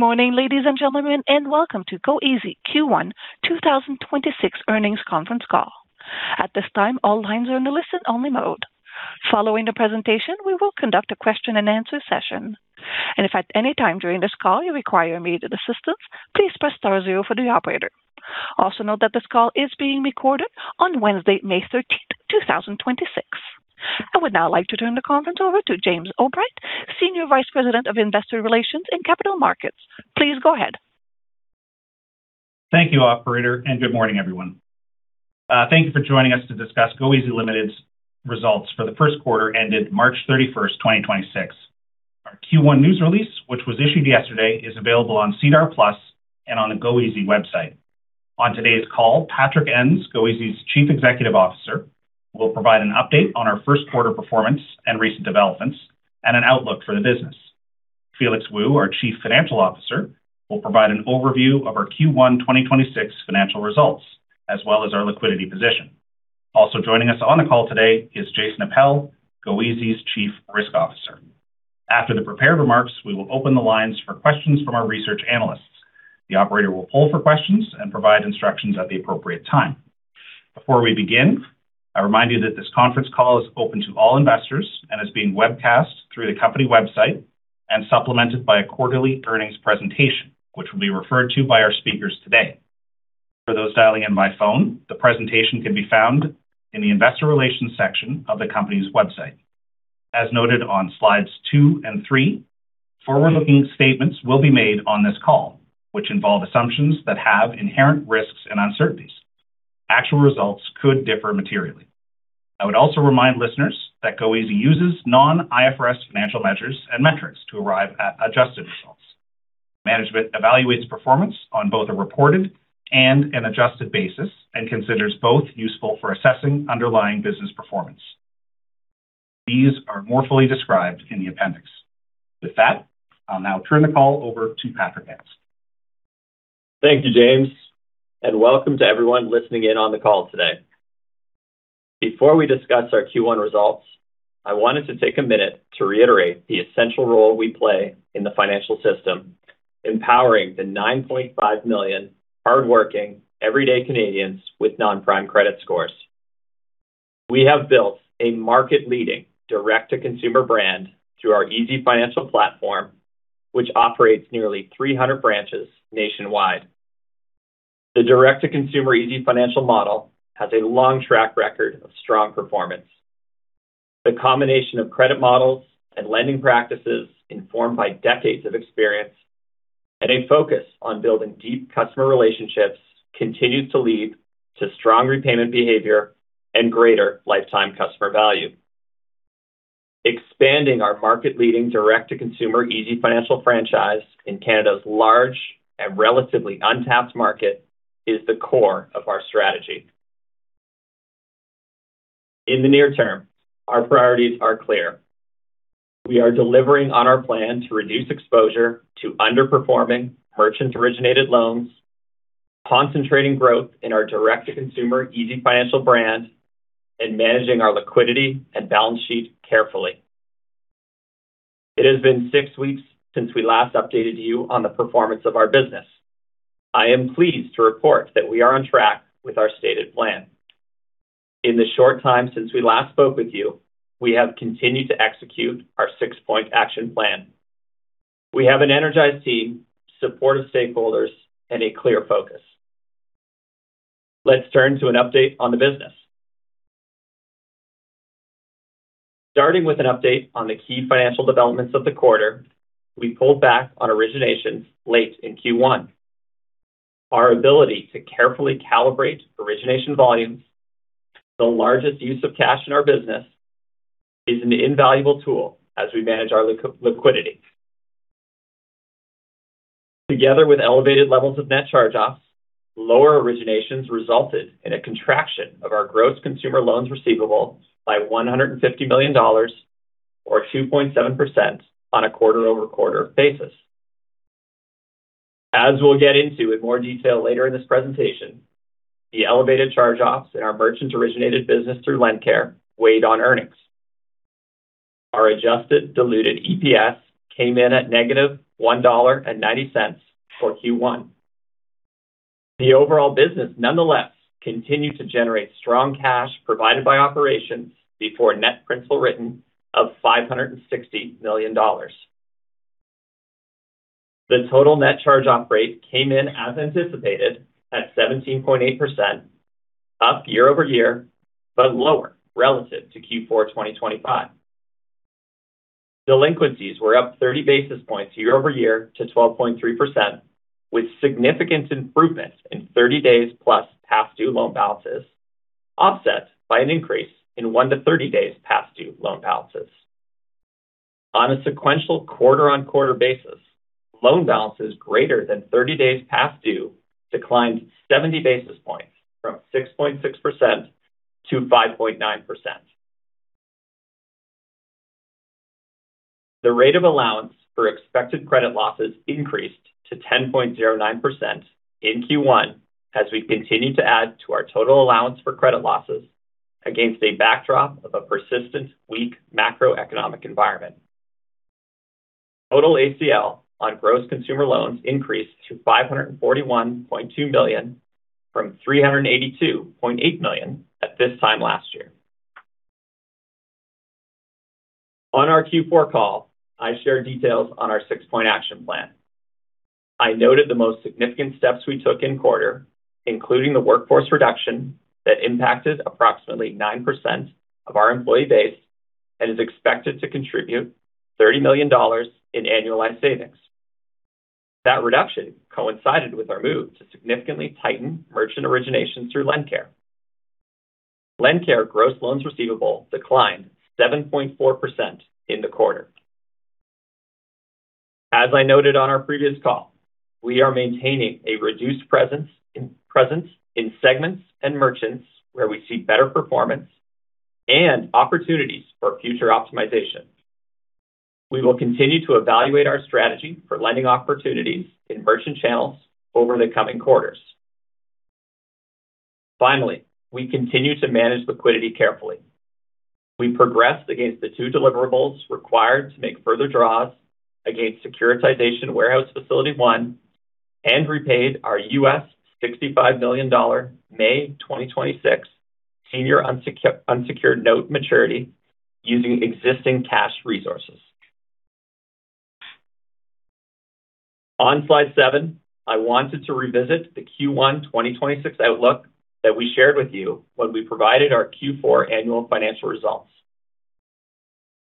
Good morning, ladies and gentlemen, and welcome to goeasy Q1 2026 Earnings Conference Call. At this time, all lines are in the listen-only mode. Following the presentation, we will conduct a question-and-answer session. If at any time during this call, you require immediate assistance, please press star zero for the operator. Also, note that this call is being recorded on Wednesday, May 13, 2026. I would now like to turn the conference over to James Obright, Senior Vice President of Investor Relations and Capital Markets. Please go ahead. Thank you, operator, good morning, everyone. Thank you for joining us to discuss goeasy Ltd.'s results for the first quarter ended March 31, 2026. Our Q1 news release, which was issued yesterday, is available on SEDAR+ and on the goeasy website. On today's call, Patrick Ens, goeasy's Chief Executive Officer, will provide an update on our first quarter performance and recent developments and an outlook for the business. Felix Wu, our Chief Financial Officer, will provide an overview of our Q1 2026 financial results, as well as our liquidity position. Also joining us on the call today is Jason Appel, goeasy's Chief Risk Officer. After the prepared remarks, we will open the lines for questions from our research analysts. The operator will poll for questions and provide instructions at the appropriate time. Before we begin, I remind you that this conference call is open to all investors and is being webcast through the company website and supplemented by a quarterly earnings presentation, which will be referred to by our speakers today. For those dialing in by phone, the presentation can be found in the investor relations section of the company's website. As noted on slides two and three, forward-looking statements will be made on this call, which involve assumptions that have inherent risks and uncertainties. Actual results could differ materially. I would also remind listeners that goeasy uses non-IFRS financial measures and metrics to arrive at adjusted results. Management evaluates performance on both a reported and an adjusted basis and considers both useful for assessing underlying business performance. These are more fully described in the appendix. With that, I'll now turn the call over to Patrick Ens. Thank you, James, and welcome to everyone listening in on the call today. Before we discuss our Q1 results, I wanted to take a minute to reiterate the essential role we play in the financial system, empowering the 9.5 million hardworking everyday Canadians with non-prime credit scores. We have built a market-leading direct-to-consumer brand through our easyfinancial platform, which operates nearly 300 branches nationwide. The direct-to-consumer easyfinancial model has a long track record of strong performance. The combination of credit models and lending practices informed by decades of experience and a focus on building deep customer relationships continues to lead to strong repayment behavior and greater lifetime customer value. Expanding our market-leading direct-to-consumer easyfinancial franchise in Canada's large and relatively untapped market is the core of our strategy. In the near term, our priorities are clear. We are delivering on our plan to reduce exposure to underperforming merchant-originated loans, concentrating growth in our direct-to-consumer easyfinancial brand, and managing our liquidity and balance sheet carefully. It has been 6 weeks since we last updated you on the performance of our business. I am pleased to report that we are on track with our stated plan. In the short time since we last spoke with you, we have continued to execute our six-point action plan. We have an energized team, supportive stakeholders, and a clear focus. Let's turn to an update on the business. Starting with an update on the key financial developments of the quarter, we pulled back on originations late in Q1. Our ability to carefully calibrate origination volumes, the largest use of cash in our business, is an invaluable tool as we manage our liquidity. Together with elevated levels of net charge-offs, lower originations resulted in a contraction of our gross consumer loans receivable by 150 million dollars or 2.7% on a quarter-over-quarter basis. As we'll get into in more detail later in this presentation, the elevated charge-offs in our merchant-originated business through LendCare weighed on earnings. Our adjusted diluted EPS came in at -1.90 dollar for Q1. The overall business nonetheless continued to generate strong cash provided by operations before net principal written of 560 million dollars. The total net charge-off rate came in as anticipated at 17.8%, up year-over-year, but lower relative to Q4 2025. Delinquencies were up 30 basis points year-over-year to 12.3%, with significant improvements in 30 days plus past due loan balances offset by an increase in 1 to 30 days past due loan balances. On a sequential quarter-on-quarter basis, loan balances greater than 30 days past due declined 70 basis points from 6.6% to 5.9%. The rate of allowance for expected credit losses increased to 10.09% in Q1 as we continue to add to our total allowance for credit losses against a backdrop of a persistent weak macroeconomic environment. Total ACL on gross consumer loans increased to 541.2 million from 382.8 million at this time last year. On our Q4 call, I shared details on our six-point action plan. I noted the most significant steps we took in quarter, including the workforce reduction that impacted approximately 9% of our employee base and is expected to contribute 30 million dollars in annualized savings. That reduction coincided with our move to significantly tighten merchant originations through LendCare. LendCare gross loans receivable declined 7.4% in the quarter. As I noted on our previous call, we are maintaining a reduced presence in segments and merchants where we see better performance and opportunities for future optimization. We will continue to evaluate our strategy for lending opportunities in merchant channels over the coming quarters. Finally, we continue to manage liquidity carefully. We progressed against the two deliverables required to make further draws against Securitization Warehouse Facility One and repaid our $65 million May 2026 senior unsecured note maturity using existing cash resources. On slide seven, I wanted to revisit the Q1 2026 outlook that we shared with you when we provided our Q4 annual financial results.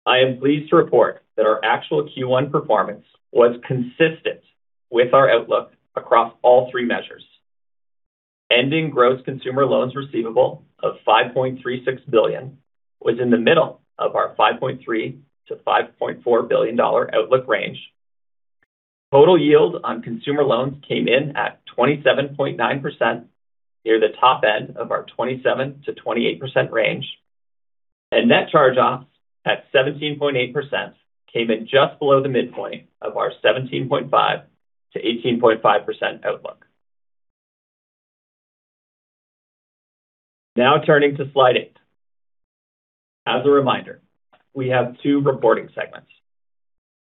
I am pleased to report that our actual Q1 performance was consistent with our outlook across all three measures. Ending gross consumer loans receivable of 5.36 billion was in the middle of our 5.3 billion-5.4 billion dollar outlook range. Total yield on consumer loans came in at 27.9% near the top end of our 27%-28% range. Net charge-offs at 17.8% came in just below the midpoint of our 17.5%-18.5% outlook. Now turning to slide eight. As a reminder, we have two reporting segments.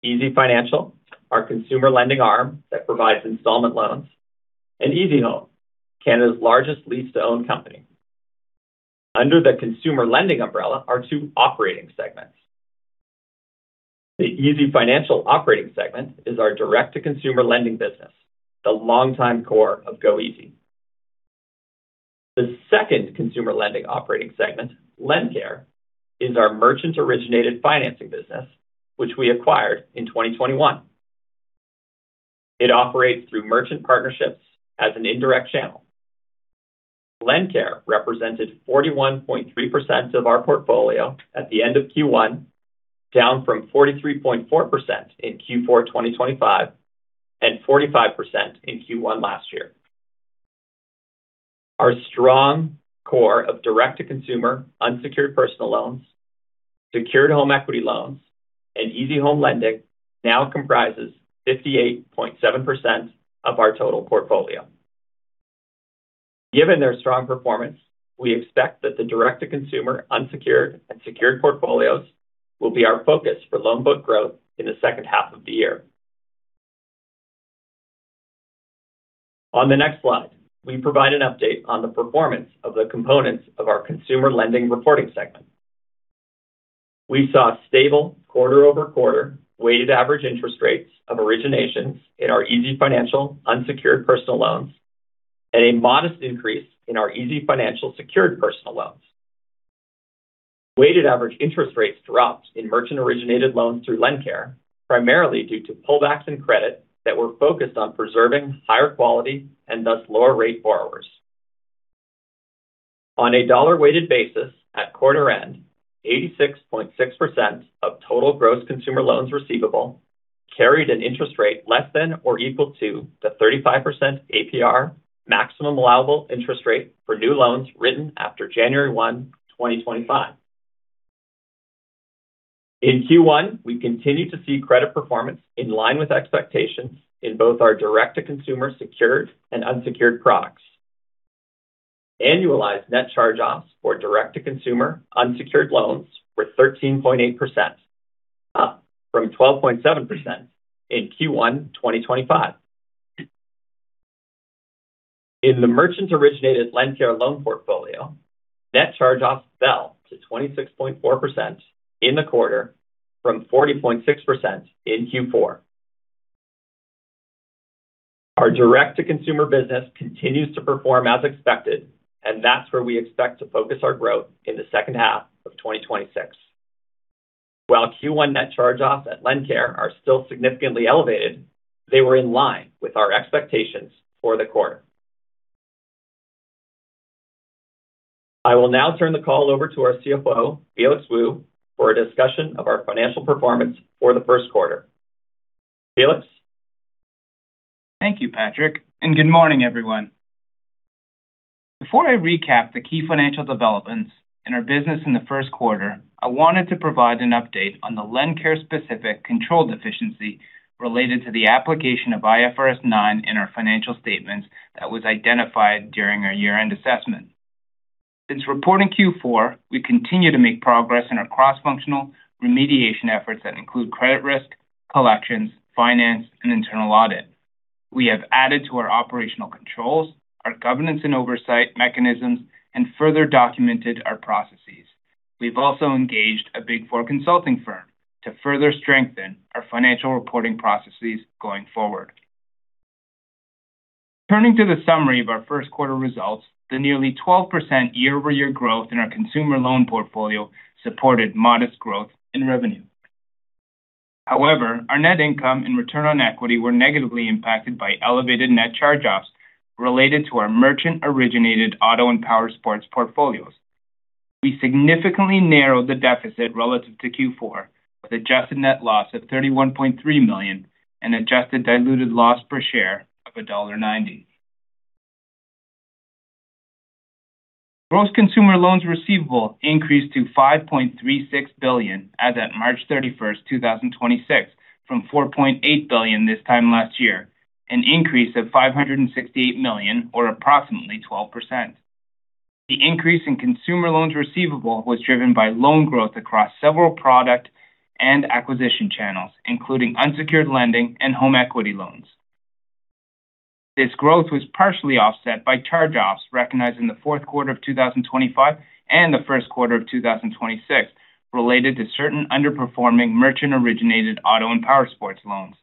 easyfinancial, our consumer lending arm that provides installment loans, and easyhome, Canada's largest lease-to-own company. Under the consumer lending umbrella are two operating segments. The easyfinancial operating segment is our direct-to-consumer lending business, the longtime core of goeasy. The second consumer lending operating segment, LendCare, is our merchant-originated financing business, which we acquired in 2021. It operates through merchant partnerships as an indirect channel. LendCare represented 41.3% of our portfolio at the end of Q1, down from 43.4% in Q4 2025 and 45% in Q1 last year. Our strong core of direct-to-consumer unsecured personal loans, secured home equity loans, and easyhome lending now comprises 58.7% of our total portfolio. Given their strong performance, we expect that the direct-to-consumer unsecured and secured portfolios will be our focus for loan book growth in the second half of the year. On the next slide, we provide an update on the performance of the components of our consumer lending reporting segment. We saw stable quarter-over-quarter weighted average interest rates of originations in our easyfinancial unsecured personal loans and a modest increase in our easyfinancial secured personal loans. Weighted average interest rates dropped in merchant-originated loans through LendCare, primarily due to pullbacks in credit that were focused on preserving higher quality and thus lower rate borrowers. On a dollar-weighted basis at quarter end, 86.6% of total gross consumer loans receivable carried an interest rate less than or equal to the 35% APR maximum allowable interest rate for new loans written after January 1, 2025. In Q1, we continued to see credit performance in line with expectations in both our direct-to-consumer secured and unsecured products. Annualized net charge-offs for direct-to-consumer unsecured loans were 13.8%, up from 12.7% in Q1 2025. In the merchant-originated LendCare loan portfolio, net charge-offs fell to 26.4% in the quarter from 40.6% in Q4. Our direct-to-consumer business continues to perform as expected, and that's where we expect to focus our growth in the second half of 2026. While Q1 net charge-offs at LendCare are still significantly elevated, they were in line with our expectations for the quarter. I will now turn the call over to our CFO, Felix Wu, for a discussion of our financial performance for the first quarter. Felix. Thank you, Patrick, and good morning, everyone. Before I recap the key financial developments in our business in the first quarter, I wanted to provide an update on the LendCare specific controlled efficiency related to the application of IFRS 9 in our financial statements that was identified during our year-end assessment. Since reporting Q4, we continue to make progress in our cross-functional remediation efforts that include credit risk, collections, finance, and internal audit. We have added to our operational controls, our governance and oversight mechanisms, and further documented our processes. We've also engaged a Big Four consulting firm to further strengthen our financial reporting processes going forward. Turning to the summary of our first quarter results, the nearly 12% year-over-year growth in our consumer loan portfolio supported modest growth in revenue. Our net income and return on equity were negatively impacted by elevated net charge-offs related to our merchant-originated auto and powersports portfolios. We significantly narrowed the deficit relative to Q4 with adjusted net loss of 31.3 million and adjusted diluted loss per share of CAD 1.90. Gross consumer loans receivable increased to 5.36 billion as at March 31, 2026, from 4.8 billion this time last year, an increase of 568 million or approximately 12%. The increase in consumer loans receivable was driven by loan growth across several product and acquisition channels, including unsecured lending and home equity loans. This growth was partially offset by charge-offs recognized in the fourth quarter of 2025 and the first quarter of 2026 related to certain underperforming merchant-originated auto and powersports loans.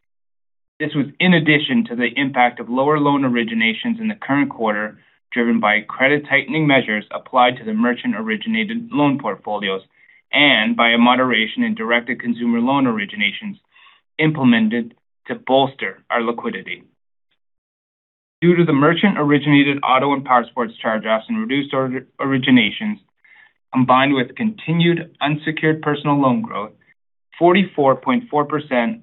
This was in addition to the impact of lower loan originations in the current quarter, driven by credit tightening measures applied to the merchant-originated loan portfolios and by a moderation in direct-to-consumer loan originations implemented to bolster our liquidity. Due to the merchant-originated auto and powersports charge-offs and reduced originations, combined with continued unsecured personal loan growth, 44.4%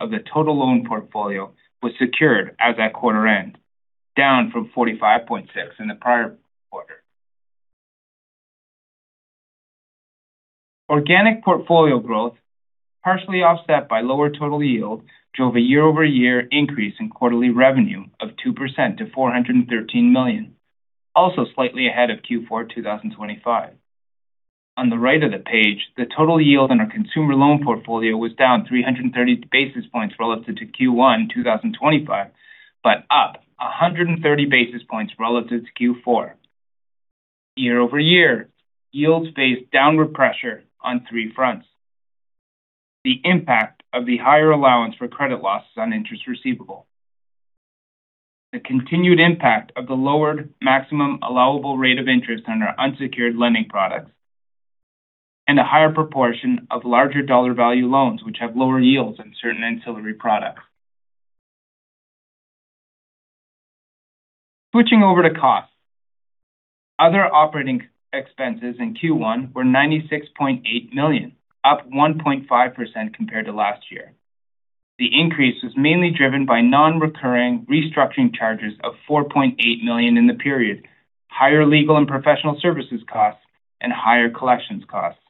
of the total loan portfolio was secured as at quarter end, down from 45.6% in the prior quarter. Organic portfolio growth, partially offset by lower total yield, drove a year-over-year increase in quarterly revenue of 2% to 413 million, also slightly ahead of Q4 2025. On the right of the page, the total yield on our consumer loan portfolio was down 330 basis points relative to Q1 2025, but up 130 basis points relative to Q4. Year-over-year, yields faced downward pressure on three fronts: the impact of the higher allowance for expected credit losses on interest receivable, the continued impact of the lowered maximum allowable rate of interest on our unsecured lending products, and a higher proportion of larger dollar value loans which have lower yields than certain ancillary products. Switching over to costs. Other operating expenses in Q1 were 96.8 million, up 1.5% compared to last year. The increase was mainly driven by non-recurring restructuring charges of 4.8 million in the period, higher legal and professional services costs, and higher collections costs.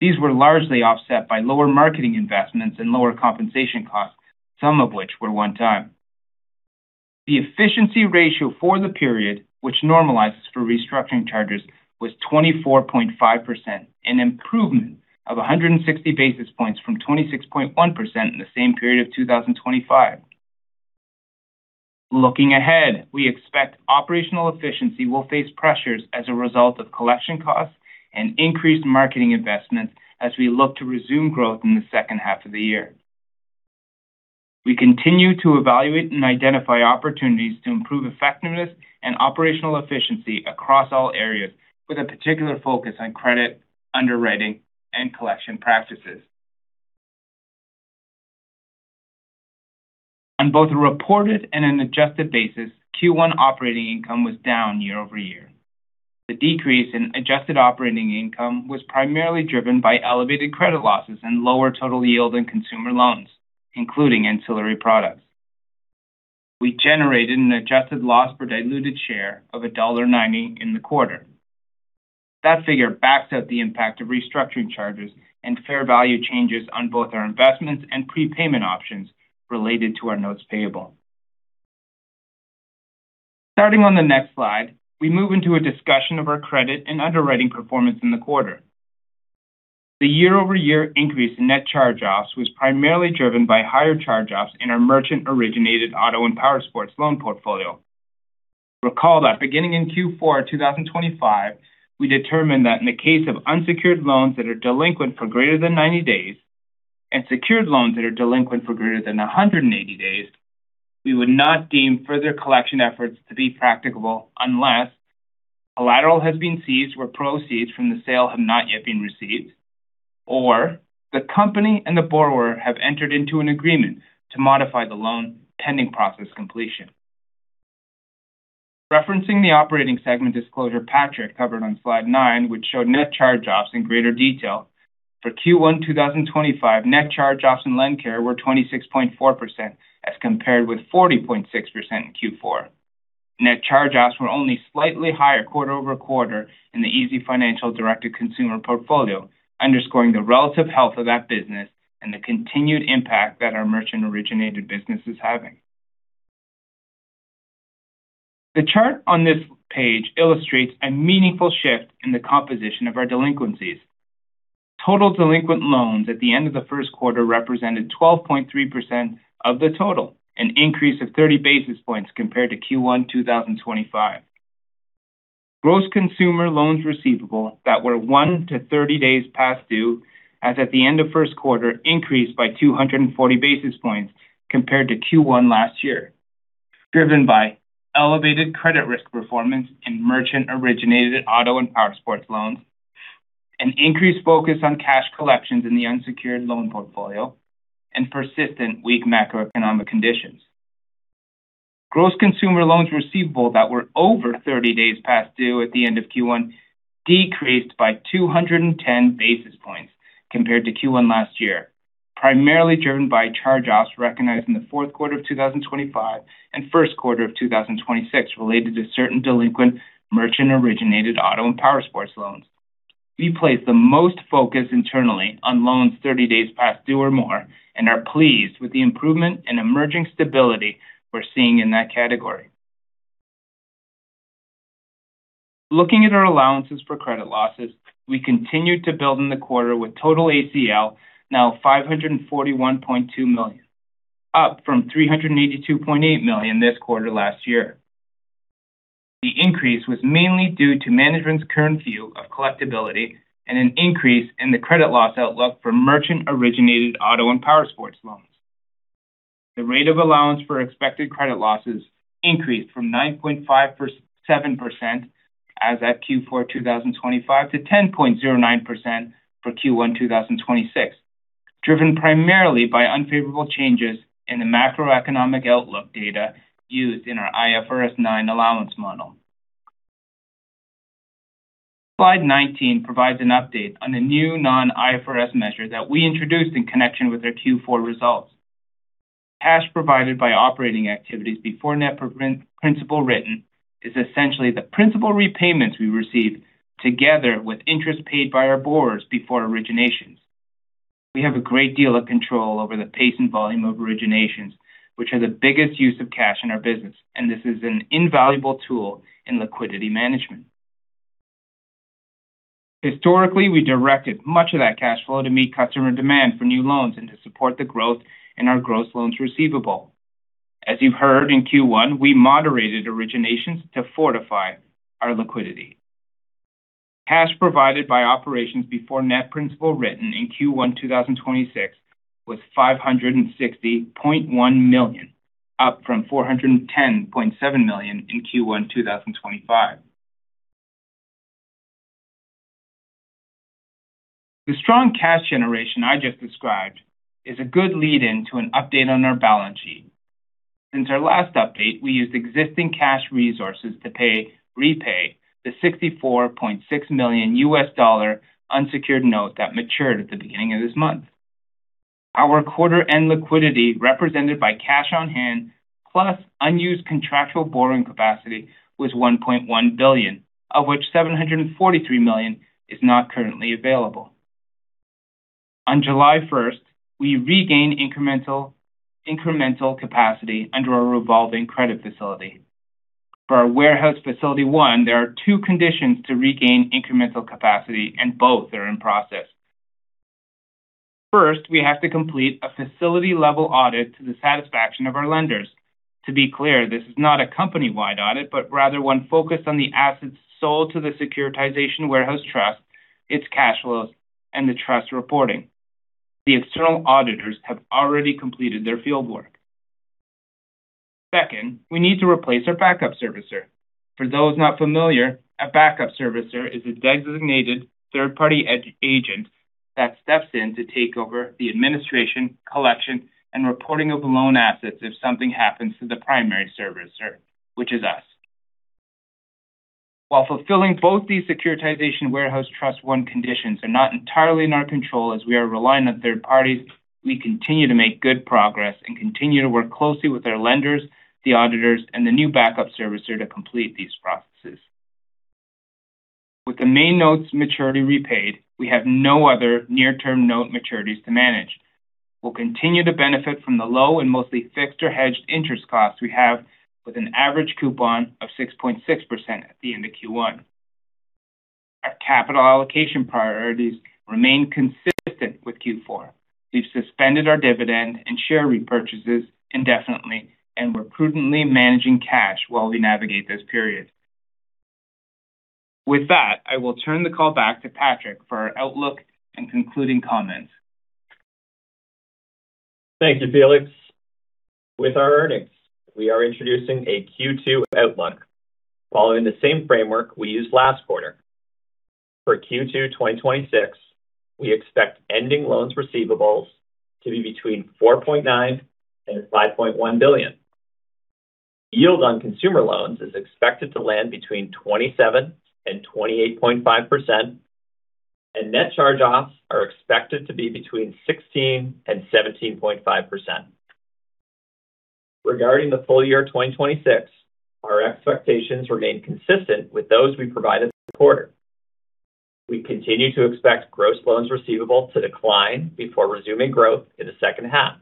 These were largely offset by lower marketing investments and lower compensation costs, some of which were one-time. The efficiency ratio for the period, which normalizes for restructuring charges, was 24.5%, an improvement of 160 basis points from 26.1% in the same period of 2025. Looking ahead, we expect operational efficiency will face pressures as a result of collection costs and increased marketing investments as we look to resume growth in the second half of the year. We continue to evaluate and identify opportunities to improve effectiveness and operational efficiency across all areas, with a particular focus on credit, underwriting, and collection practices. On both a reported and an adjusted basis, Q1 operating income was down year-over-year. The decrease in adjusted operating income was primarily driven by elevated credit losses and lower total yield in consumer loans, including ancillary products. We generated an adjusted loss per diluted share of dollar 1.90 in the quarter. That figure backs out the impact of restructuring charges and fair value changes on both our investments and prepayment options related to our notes payable. Starting on the next slide, we move into a discussion of our credit and underwriting performance in the quarter. The year-over-year increase in net charge-offs was primarily driven by higher charge-offs in our merchant-originated auto and powersports loan portfolio. Recall that beginning in Q4 2025, we determined that in the case of unsecured loans that are delinquent for greater than 90 days and secured loans that are delinquent for greater than 180 days, we would not deem further collection efforts to be practicable unless collateral has been seized where proceeds from the sale have not yet been received, or the company and the borrower have entered into an agreement to modify the loan pending process completion. Referencing the operating segment disclosure Patrick covered on slide nine, which showed net charge-offs in greater detail, for Q1 2025, net charge-offs in LendCare were 26.4% as compared with 40.6% in Q4. Net charge-offs were only slightly higher quarter-over-quarter in the easyfinancial directed consumer portfolio, underscoring the relative health of that business and the continued impact that our merchant-originated business is having. The chart on this page illustrates a meaningful shift in the composition of our delinquencies. Total delinquent loans at the end of the first quarter represented 12.3% of the total, an increase of 30 basis points compared to Q1 2025. Gross consumer loans receivable that were 1 to 30 days past due as at the end of first quarter increased by 240 basis points compared to Q1 last year, driven by elevated credit risk performance in merchant-originated auto and powersports loans, an increased focus on cash collections in the unsecured loan portfolio and persistent weak macroeconomic conditions. Gross consumer loans receivable that were over 30 days past due at the end of Q1 decreased by 210 basis points compared to Q1 last year, primarily driven by charge-offs recognized in the fourth quarter of 2025 and first quarter of 2026 related to certain delinquent merchant-originated auto and powersports loans. We place the most focus internally on loans 30 days past due or more and are pleased with the improvement in emerging stability we're seeing in that category. Looking at our allowances for credit losses, we continued to build in the quarter with total ACL now 541.2 million, up from 382.8 million this quarter last year. The increase was mainly due to management's current view of collectibility and an increase in the credit loss outlook for merchant-originated auto and powersports loans. The rate of allowance for expected credit losses increased from 9.57% as at Q4 2025 to 10.09% for Q1 2026, driven primarily by unfavorable changes in the macroeconomic outlook data used in our IFRS 9 allowance model. Slide 19 provides an update on the new non-IFRS measure that we introduced in connection with our Q4 results. Cash provided by operating activities before net principal written is essentially the principal repayments we receive together with interest paid by our borrowers before originations. We have a great deal of control over the pace and volume of originations, which are the biggest use of cash in our business, and this is an invaluable tool in liquidity management. Historically, we directed much of that cash flow to meet customer demand for new loans and to support the growth in our gross loans receivable. As you've heard, in Q1, we moderated originations to fortify our liquidity. Cash provided by operations before net principal written in Q1 2026 was 560.1 million, up from 410.7 million in Q1 2025. The strong cash generation I just described is a good lead-in to an update on our balance sheet. Since our last update, we used existing cash resources to repay the $64.6 million unsecured note that matured at the beginning of this month. Our quarter end liquidity represented by cash on hand plus unused contractual borrowing capacity was 1.1 billion, of which 743 million is not currently available. On July 1, we regained incremental capacity under our revolving credit facility. For our Warehouse Facility One, there are two conditions to regain incremental capacity, and both are in process. First, we have to complete a facility-level audit to the satisfaction of our lenders. To be clear, this is not a company-wide audit, but rather one focused on the assets sold to the Securitization Warehouse Trust, its cash flows, and the trust reporting. The external auditors have already completed their field work. Second, we need to replace our backup servicer. For those not familiar, a backup servicer is a designated third-party agent that steps in to take over the administration, collection, and reporting of the loan assets if something happens to the primary servicer, which is us. While fulfilling both these Securitization Warehouse Facility One conditions are not entirely in our control as we are reliant on third parties, we continue to make good progress and continue to work closely with our lenders, the auditors, and the new backup servicer to complete these processes. With the main note's maturity repaid, we have no other near-term note maturities to manage. We'll continue to benefit from the low and mostly fixed or hedged interest costs we have with an average coupon of 6.6% at the end of Q1. Our capital allocation priorities remain consistent with Q4. We've suspended our dividend and share repurchases indefinitely, and we're prudently managing cash while we navigate this period. With that, I will turn the call back to Patrick for our outlook and concluding comments. Thank you, Felix. With our earnings, we are introducing a Q2 outlook following the same framework we used last quarter. For Q2 2026, we expect ending loans receivables to be between 4.9 billion and 5.1 billion. Yield on consumer loans is expected to land between 27% and 28.5%, and net charge-offs are expected to be between 16% and 17.5%. Regarding the full year 2026, our expectations remain consistent with those we provided this quarter. We continue to expect gross loans receivable to decline before resuming growth in the second half.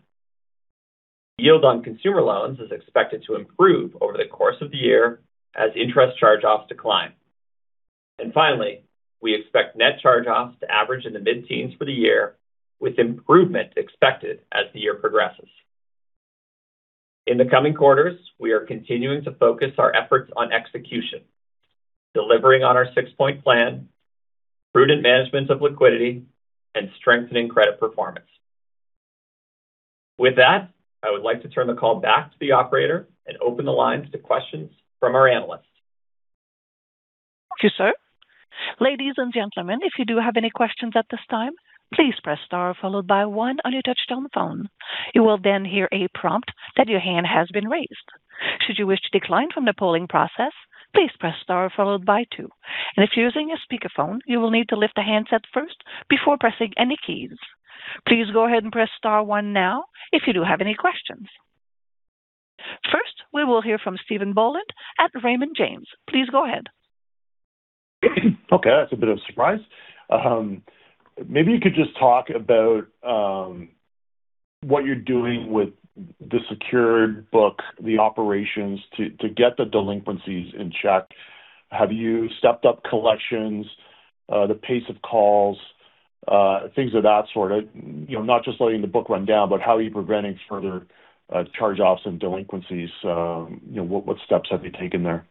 Yield on consumer loans is expected to improve over the course of the year as interest charge-offs decline. Finally, we expect net charge-offs to average in the mid-teens for the year, with improvement expected as the year progresses. In the coming quarters, we are continuing to focus our efforts on execution, delivering on our six-point plan, prudent management of liquidity, and strengthening credit performance. With that, I would like to turn the call back to the operator and open the lines to questions from our analysts. Thank you, sir. Ladies and gentlemen, if you do have any questions at this time, please press star followed by one on your touchtone phone. You will then hear a prompt that your hand has been raised. Should you wish to decline from the polling process, please press star followed by two. If you're using a speakerphone, you will need to lift the handset first before pressing any keys. Please go ahead and press star one now if you do have any questions. First, we will hear from Stephen Boland at Raymond James. Please go ahead. Okay, that's a bit of a surprise. Maybe you could just talk about what you're doing with the secured book, the operations to get the delinquencies in check. Have you stepped up collections, the pace of calls, things of that sort? You know, not just letting the book run down, but how are you preventing further charge-offs and delinquencies? You know, what steps have you taken there?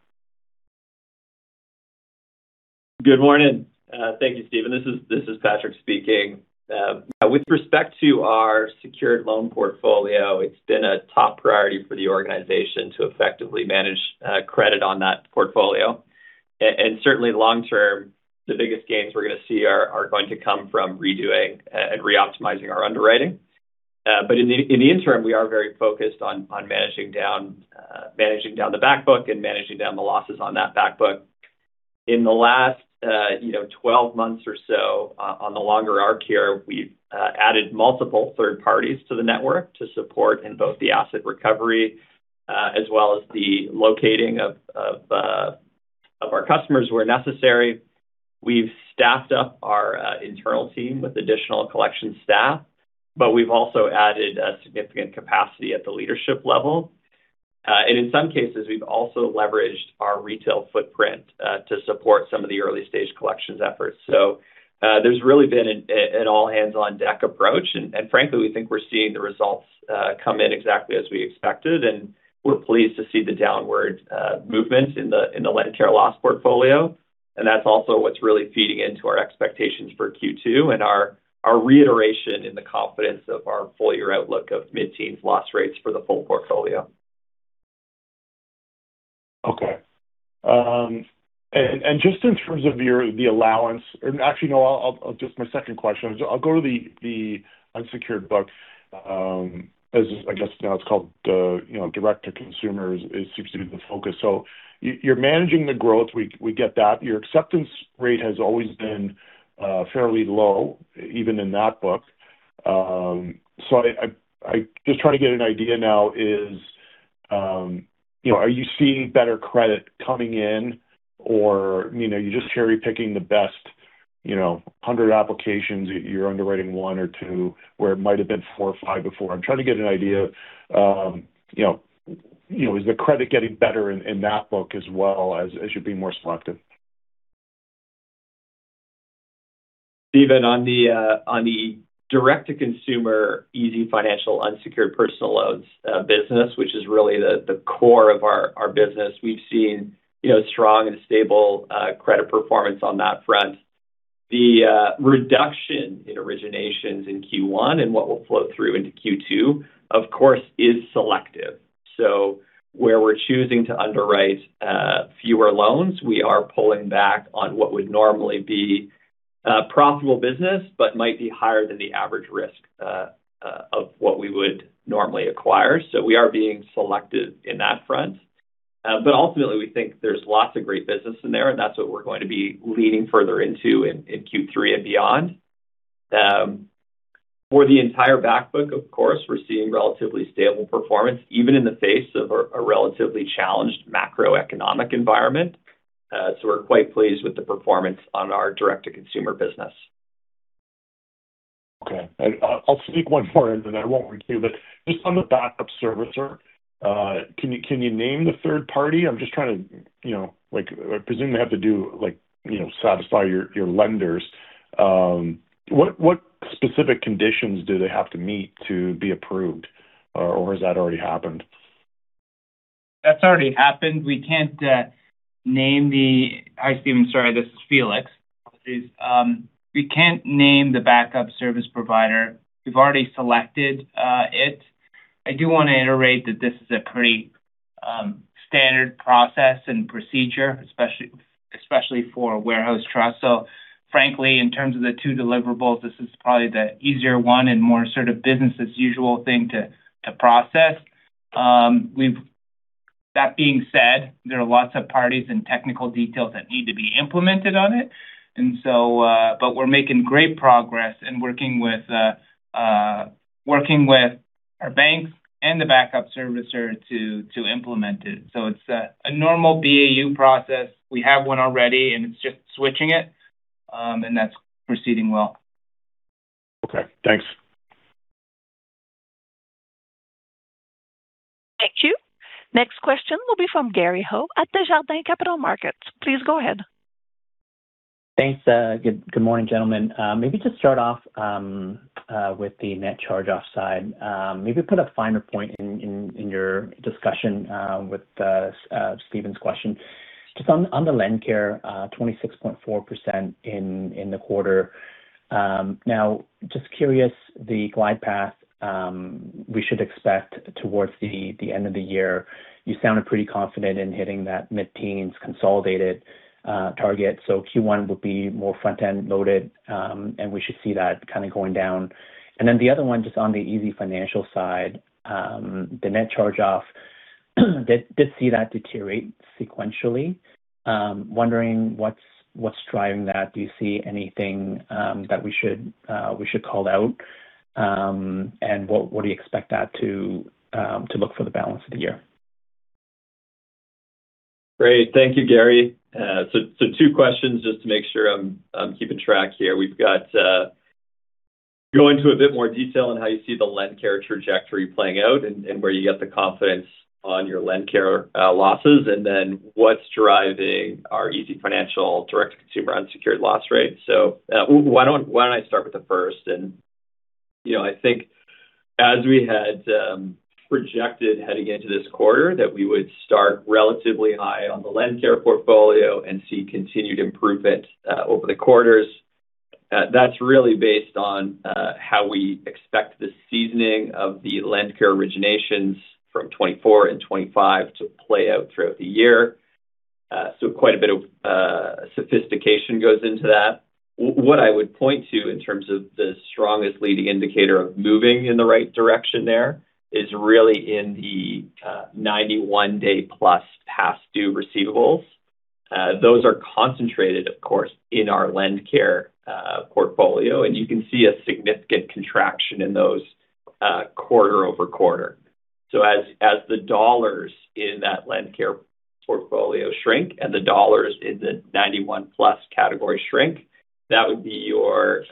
Good morning. Thank you, Stephen. This is Patrick speaking. With respect to our secured loan portfolio, it's been a top priority for the organization to effectively manage credit on that portfolio. Certainly long-term, the biggest gains we're gonna see are going to come from redoing and reoptimizing our underwriting. In the interim, we are very focused on managing down the back book and managing down the losses on that back book. In the last, you know, 12 months or so, on the longer arc here, we've added multiple third parties to the network to support in both the asset recovery as well as the locating of our customers where necessary. We've staffed up our internal team with additional collection staff, but we've also added a significant capacity at the leadership level. In some cases, we've also leveraged our retail footprint to support some of the early-stage collections efforts. There's really been an all-hands-on-deck approach. Frankly, we think we're seeing the results come in exactly as we expected. We're pleased to see the downward movement in the net material loss portfolio. That's also what's really feeding into our expectations for Q2 and our reiteration in the confidence of our full-year outlook of mid-teens loss rates for the full portfolio. Okay. And just in terms of the allowance, actually, no, I'll just my second question. I'll go to the unsecured book, as I guess now it's called, you know, direct to consumer seems to be the focus. You're managing the growth, we get that. Your acceptance rate has always been fairly low even in that book. I just try to get an idea now, you know, are you seeing better credit coming in or, you know, you're just cherry-picking the best, you know, 100 applications, you're underwriting one or two where it might've been 4 or 5 before? I'm trying to get an idea, you know, is the credit getting better in that book as well as you're being more selective? Stephen, on the on the direct to consumer easyfinancial unsecured personal loans business, which is really the core of our business, we've seen, you know, strong and stable credit performance on that front. The reduction in originations in Q1 and what will flow through into Q2, of course, is selective. Where we're choosing to underwrite fewer loans, we are pulling back on what would normally be profitable business, but might be higher than the average risk of what we would normally acquire. We are being selective in that front. Ultimately, we think there's lots of great business in there, and that's what we're going to be leaning further into in Q3 and beyond. For the entire back book, of course, we're seeing relatively stable performance, even in the face of a relatively challenged macroeconomic environment. We're quite pleased with the performance on our direct-to-consumer business. Okay. I'll sneak one more in, then I won't wear two. Just on the backup servicer, can you name the third party? I'm just trying to, you know, I presume they have to do, like, satisfy your lenders. What specific conditions do they have to meet to be approved? Or has that already happened? That's already happened. We can't name the Hi, Stephen. Sorry, this is Felix. We can't name the backup service provider. We've already selected it. I do wanna reiterate that this is a pretty standard process and procedure, especially for warehouse trust. Frankly, in terms of the two deliverables, this is probably the easier one and more sort of business-as-usual thing to process. That being said, there are lots of parties and technical details that need to be implemented on it. We're making great progress in working with our banks and the backup servicer to implement it. It's a normal BAU process. We have one already, and it's just switching it, and that's proceeding well. Okay, thanks. Thank you. Next question will be from Gary Ho at Desjardins Capital Markets. Please go ahead. Thanks. Good morning, gentlemen. Maybe to start off with the net charge-off side. Maybe put a finer point in your discussion with Stephen's question. Just on the LendCare 26.4% in the quarter. Now just curious, the glide path we should expect towards the end of the year. You sounded pretty confident in hitting that mid-teens consolidated target. Q1 would be more front-end loaded, and we should see that kind of going down. The other one, just on the easyfinancial side, the net charge-off. Did see that deteriorate sequentially. Wondering what's driving that. Do you see anything that we should call out? What do you expect that to look for the balance of the year? Great. Thank you, Gary. Two questions just to make sure I'm keeping track here. We've got, go into a bit more detail on how you see the LendCare trajectory playing out and where you get the confidence on your LendCare losses. What's driving our easyfinancial direct-to-consumer unsecured loss rate. Why don't I start with the first. You know, I think as we had projected heading into this quarter, that we would start relatively high on the LendCare portfolio and see continued improvement over the quarters. That's really based on how we expect the seasoning of the LendCare originations from 2024 and 2025 to play out throughout the year. Quite a bit of sophistication goes into that. What I would point to in terms of the strongest leading indicator of moving in the right direction there is really in the 91-day-plus past due receivables. Those are concentrated, of course, in our LendCare portfolio, and you can see a significant contraction in those quarter-over-quarter. As the dollars in that LendCare portfolio shrink and the dollars in the 91+ category shrink, that would be your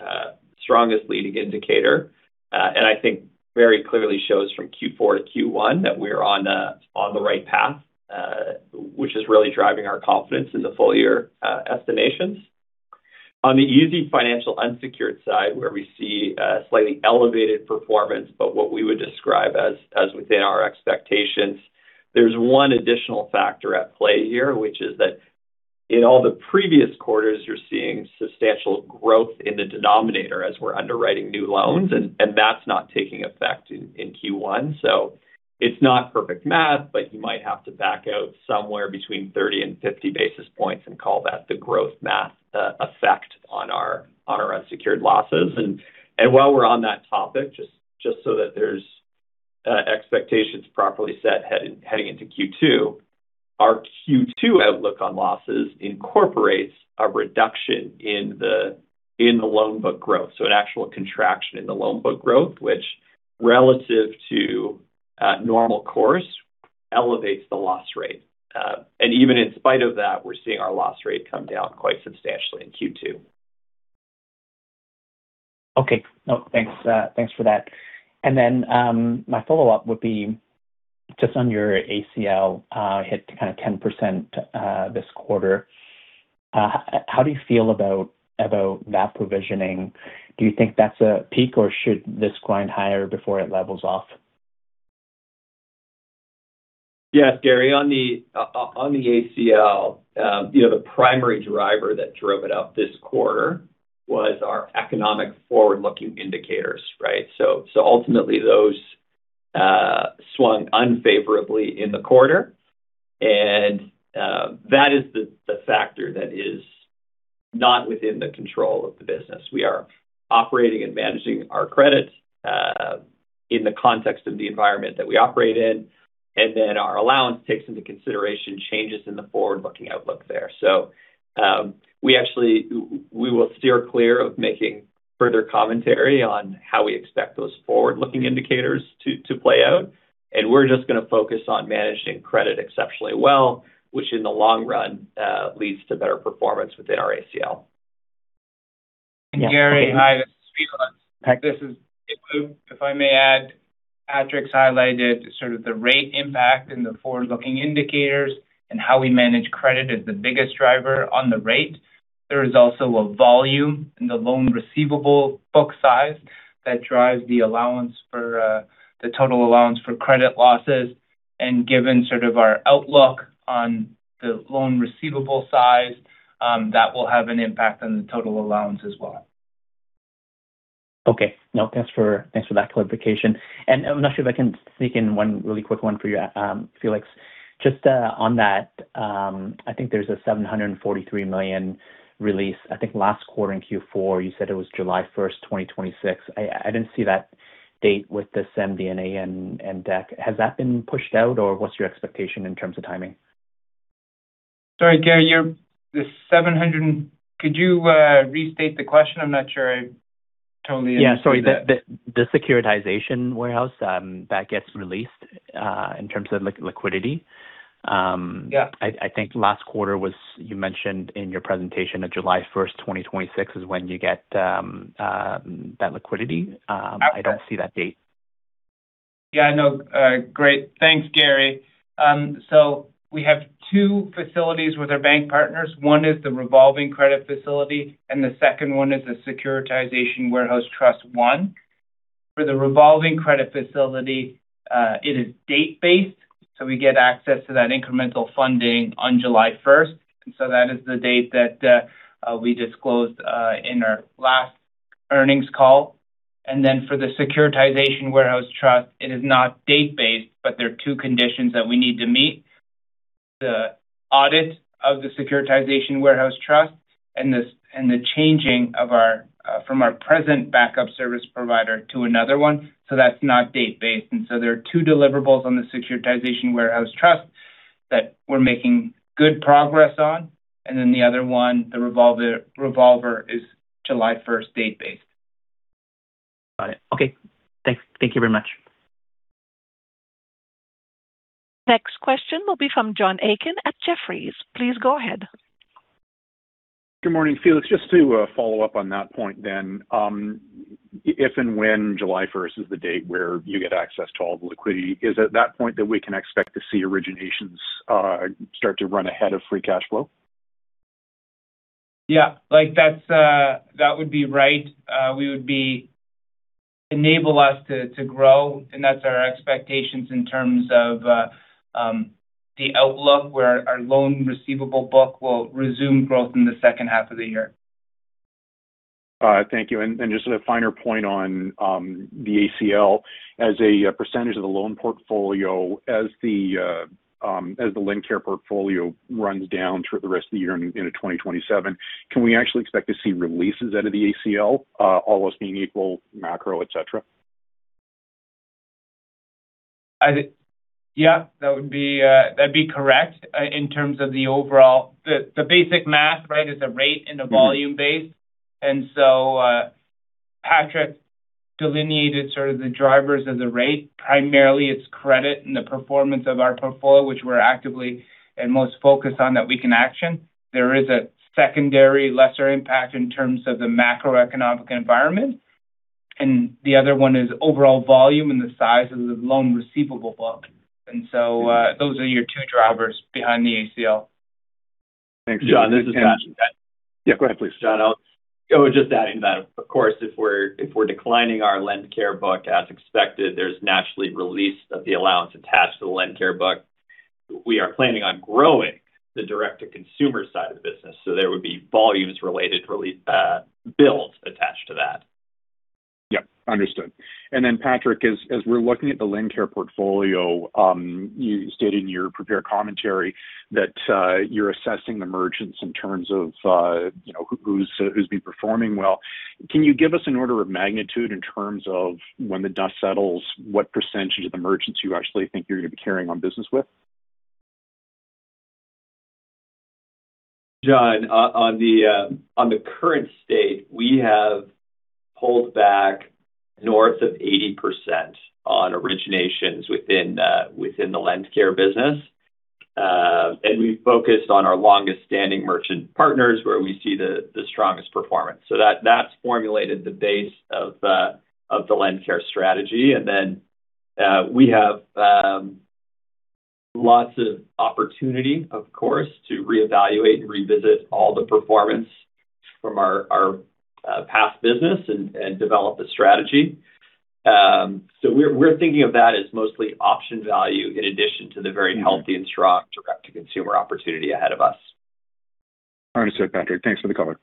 strongest leading indicator. I think very clearly shows from Q4 to Q1 that we're on the right path, which is really driving our confidence in the full year estimations. On the easyfinancial unsecured side, where we see a slightly elevated performance but what we would describe as within our expectations, there's one additional factor at play here, which is that in all the previous quarters, you're seeing substantial growth in the denominator as we're underwriting new loans, and that's not taking effect in Q1. It's not perfect math, but you might have to back out somewhere between 30 basis points and 50 basis points and call that the growth math effect on our unsecured losses. While we're on that topic, just so that there's expectations properly set heading into Q2, our Q2 outlook on losses incorporates a reduction in the loan book growth. An actual contraction in the loan book growth, which relative to normal course elevates the loss rate. Even in spite of that, we're seeing our loss rate come down quite substantially in Q2. Okay. No, thanks for that. My follow-up would be just on your ACL hit kind of 10% this quarter. How do you feel about that provisioning? Do you think that's a peak, or should this climb higher before it levels off? Yes, Gary. On the ACL, you know, the primary driver that drove it up this quarter was our economic forward-looking indicators, right? Ultimately, those swung unfavorably in the quarter, and that is the factor that is not within the control of the business. We are operating and managing our credit in the context of the environment that we operate in, our allowance takes into consideration changes in the forward-looking outlook there. We will steer clear of making further commentary on how we expect those forward-looking indicators to play out, we're just gonna focus on managing credit exceptionally well, which in the long run, leads to better performance within our ACL. Gary, hi, this is Felix. Hey. This is Felix. If I may add, Patrick's highlighted sort of the rate impact in the forward-looking indicators and how we manage credit as the biggest driver on the rate. There is also a volume in the loan receivable book size that drives the allowance for the total allowance for credit losses. Given sort of our outlook on the loan receivable size, that will have an impact on the total allowance as well. Okay. No, thanks for, thanks for that clarification. I'm not sure if I can sneak in one really quick one for you, Felix. Just on that, I think there's a 743 million release. I think last quarter in Q4 you said it was July 1, 2026. I didn't see that date with the MD&A and deck. Has that been pushed out, or what's your expectation in terms of timing? Sorry, Gary. Could you restate the question? I'm not sure I totally understood that. Yeah. Sorry, the Securitization Warehouse, that gets released, in terms of liquidity. Yeah You mentioned in your presentation that July 1, 2026 is when you get that liquidity. Okay I don't see that date. Great. Thanks, Gary. We have two facilities with our bank partners. One is the revolving credit facility, and the second is the Securitization Warehouse Trust One. For the revolving credit facility, it is date-based. We get access to that incremental funding on July 1. That is the date that we disclosed in our last earnings call. For the Securitization Warehouse Trust, it is not date-based, but there are two conditions that we need to meet. The audit of the Securitization Warehouse Trust and the changing of our from our present backup servicer to another one. That is not date-based. There are two deliverables on the Securitization Warehouse Trust that we're making good progress on. The other one, the revolver, is July 1st date based. Got it. Okay. Thanks. Thank you very much. Next question will be from John Aiken at Jefferies. Please go ahead. Good morning, Felix. Just to follow up on that point then. If and when July 1st is the date where you get access to all the liquidity, is it that point that we can expect to see originations start to run ahead of free cash flow? Yeah, like, that's that would be right. we would be enable us to grow, and that's our expectations in terms of the outlook where our loan receivable book will resume growth in the second half of the year. Thank you. Just a finer point on the ACL, as a percentage of the loan portfolio, as the LendCare portfolio runs down through the rest of the year and into 2027, can we actually expect to see releases out of the ACL, all else being equal, macro, et cetera? Yeah, that would be, that'd be correct in terms of the overall the basic math, right, is the rate and the volume base. Patrick delineated sort of the drivers of the rate. Primarily, it's credit and the performance of our portfolio, which we're actively and most focused on that we can action. There is a secondary lesser impact in terms of the macroeconomic environment. The other one is overall volume and the size of the loan receivable book. Those are your two drivers behind the ACL. Thanks. John, this is Patrick. Yeah, go ahead, please. John, just adding that, of course, if we're declining our LendCare book as expected, there's naturally release of the allowance attached to the LendCare book. We are planning on growing the direct-to-consumer side of the business, so there would be volumes-related builds attached to that. Yeah, understood. Patrick, as we're looking at the LendCare portfolio, you stated in your prepared commentary that you're assessing the merchants in terms of, you know, who's been performing well. Can you give us an order of magnitude in terms of when the dust settles, what percentage of the merchants you actually think you're gonna be carrying on business with? John, on the, on the current state, we have pulled back north of 80% on originations within the LendCare business. We focused on our longest-standing merchant partners, where we see the strongest performance. That's formulated the base of the LendCare strategy. Then we have lots of opportunity, of course, to reevaluate and revisit all the performance from our past business and develop a strategy. We're thinking of that as mostly option value in addition to the very healthy and strong direct-to-consumer opportunity ahead of us. Understood, Patrick. Thanks for the color.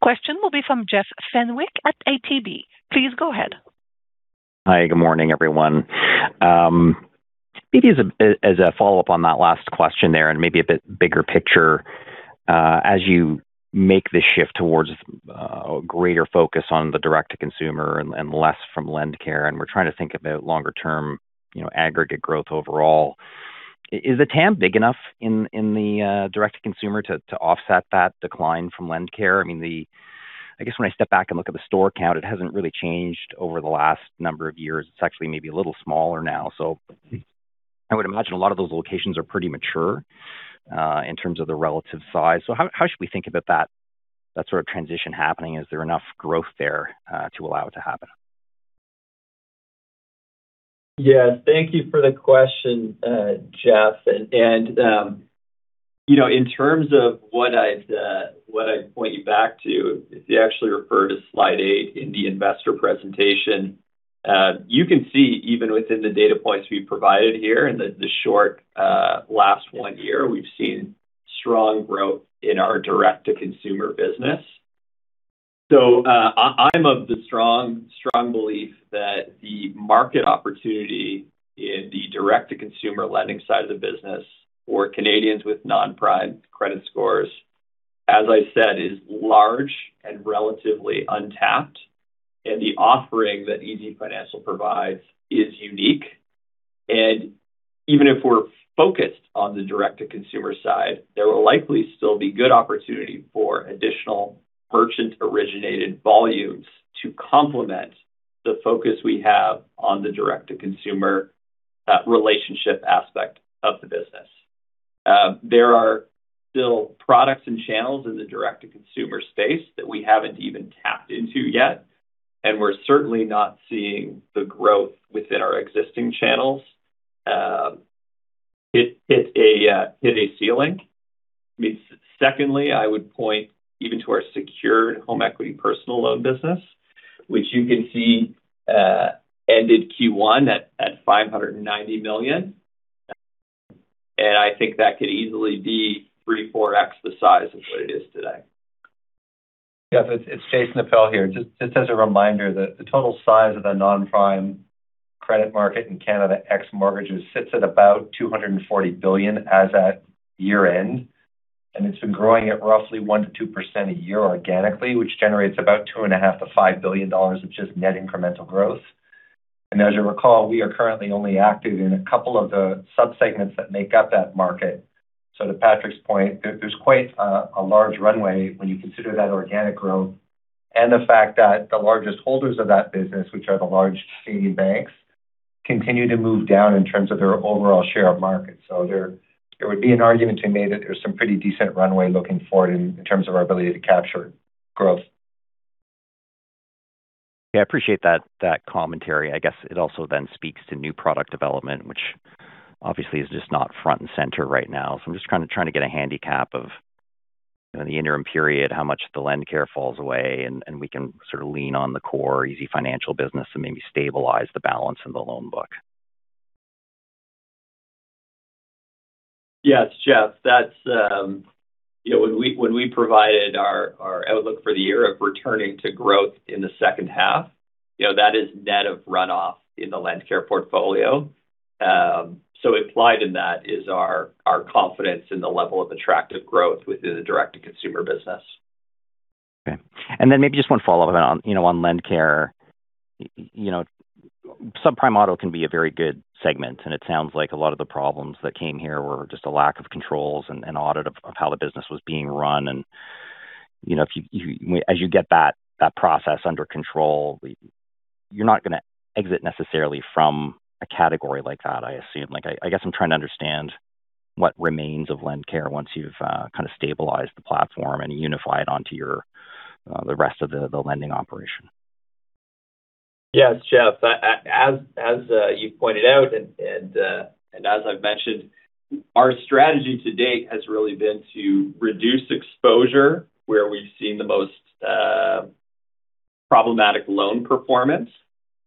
Question will be from Jeff Fenwick at ATB. Please go ahead. Hi, good morning, everyone. Maybe as a follow-up on that last question there, maybe a bit bigger picture, as you make the shift towards a greater focus on the direct to consumer and less from LendCare, we're trying to think about longer term, you know, aggregate growth overall, is the TAM big enough in the direct to consumer to offset that decline from LendCare? I mean, I guess when I step back and look at the store count, it hasn't really changed over the last number of years. It's actually maybe a little smaller now. I would imagine a lot of those locations are pretty mature in terms of the relative size. How should we think about that sort of transition happening? Is there enough growth there to allow it to happen? Yes. Thank you for the question, Jeff. You know, in terms of what I'd point you back to, if you actually refer to slide eight in the investor presentation, you can see even within the data points we've provided here in the short, last 1 year, we've seen strong growth in our direct-to-consumer business. I'm of the strong belief that the market opportunity in the direct-to-consumer lending side of the business for Canadians with non-prime credit scores, as I said, is large and relatively untapped, and the offering that easyfinancial provides is unique. Even if we're focused on the direct-to-consumer side, there will likely still be good opportunity for additional merchant-originated volumes to complement the focus we have on the direct-to-consumer relationship aspect of the business. There are still products and channels in the direct-to-consumer space that we haven't even tapped into yet. We're certainly not seeing the growth within our existing channels, hit a ceiling. Secondly, I would point even to our secured home equity personal loan business, which you can see, ended Q1 at 590 million. I think that could easily be 3x, 4x the size of what it is today. Yeah. It's Jason Appel here. Just as a reminder that the total size of the non-prime credit market in Canada ex mortgages sits at about 240 billion as at year-end. It's been growing at roughly 1%-2% a year organically, which generates about 2.5 billion-5 billion dollars of just net incremental growth. As you recall, we are currently only active in a couple of the sub-segments that make up that market. To Patrick's point, there's quite a large runway when you consider that organic growth and the fact that the largest holders of that business, which are the large Canadian banks, continue to move down in terms of their overall share of market. There would be an argument to be made that there's some pretty decent runway looking forward in terms of our ability to capture growth. Yeah, I appreciate that commentary. I guess it also speaks to new product development, which obviously is just not front and center right now. I'm just kind of trying to get a handicap of, in the interim period, how much the LendCare falls away, and we can sort of lean on the core easyfinancial business and maybe stabilize the balance in the loan book. Yes, Jeff. That's, you know, when we provided our outlook for the year of returning to growth in the second half, you know, that is net of runoff in the LendCare portfolio. Implied in that is our confidence in the level of attractive growth within the direct-to-consumer business. Okay. Maybe just one follow-up on, you know, on LendCare. You know, subprime auto can be a very good segment, and it sounds like a lot of the problems that came here were just a lack of controls and audit of how the business was being run. You know, as you get that process under control, you're not gonna exit necessarily from a category like that, I assume. Like, I guess I'm trying to understand what remains of LendCare once you've kind of stabilized the platform and unified onto your the rest of the lending operation. Yes, Jeff. As you pointed out and as I've mentioned, our strategy to date has really been to reduce exposure where we've seen the most problematic loan performance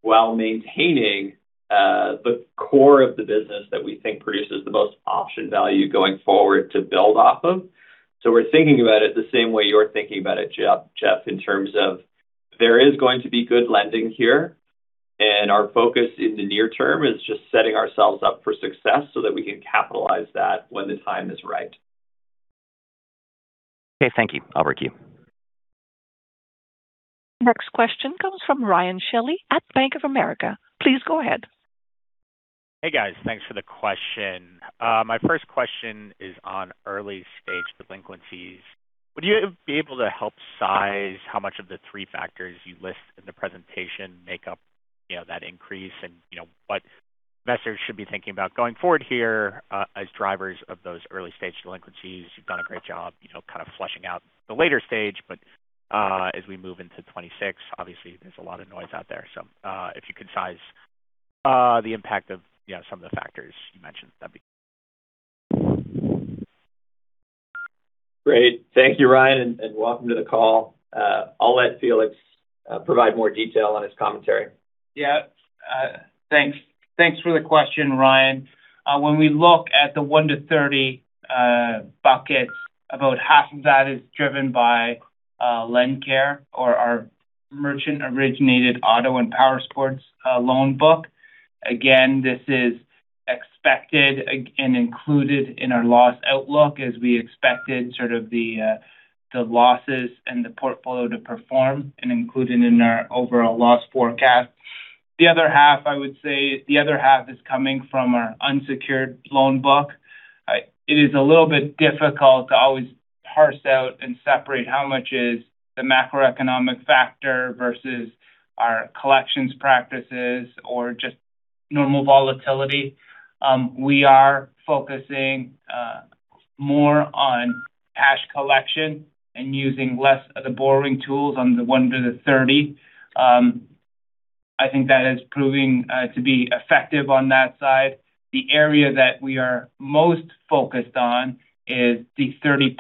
while maintaining the core of the business that we think produces the most option value going forward to build off of. We're thinking about it the same way you're thinking about it, Jeff, in terms of there is going to be good lending here. Our focus in the near term is just setting ourselves up for success so that we can capitalize that when the time is right. Okay. Thank you. Over to you. Next question comes from Ryan Shelley at Bank of America. Please go ahead. Hey, guys. Thanks for the question. My first question is on early-stage delinquencies. Would you be able to help size how much of the three factors you list in the presentation make up, you know, that increase? You know, what investors should be thinking about going forward here as drivers of those early stage delinquencies? You've done a great job, you know, kind of fleshing out the later stage. As we move into 2026, obviously there's a lot of noise out there. If you could size the impact of, you know, some of the factors you mentioned, that'd be great. Great. Thank you, Ryan, and welcome to the call. I'll let Felix provide more detail on his commentary. Thanks for the question, Ryan. When we look at the 1 to 30 buckets, about half of that is driven by LendCare or our merchant-originated auto and powersports loan book. Again, this is expected and included in our loss outlook as we expected sort of the losses in the portfolio to perform and included in our overall loss forecast. The other half, I would say, is coming from our unsecured loan book. It is a little bit difficult to always parse out and separate how much is the macroeconomic factor versus our collections practices or just normal volatility. We are focusing more on cash collection and using less of the borrowing tools on the 1 to the 30. I think that is proving to be effective on that side. The area that we are most focused on is the 30+,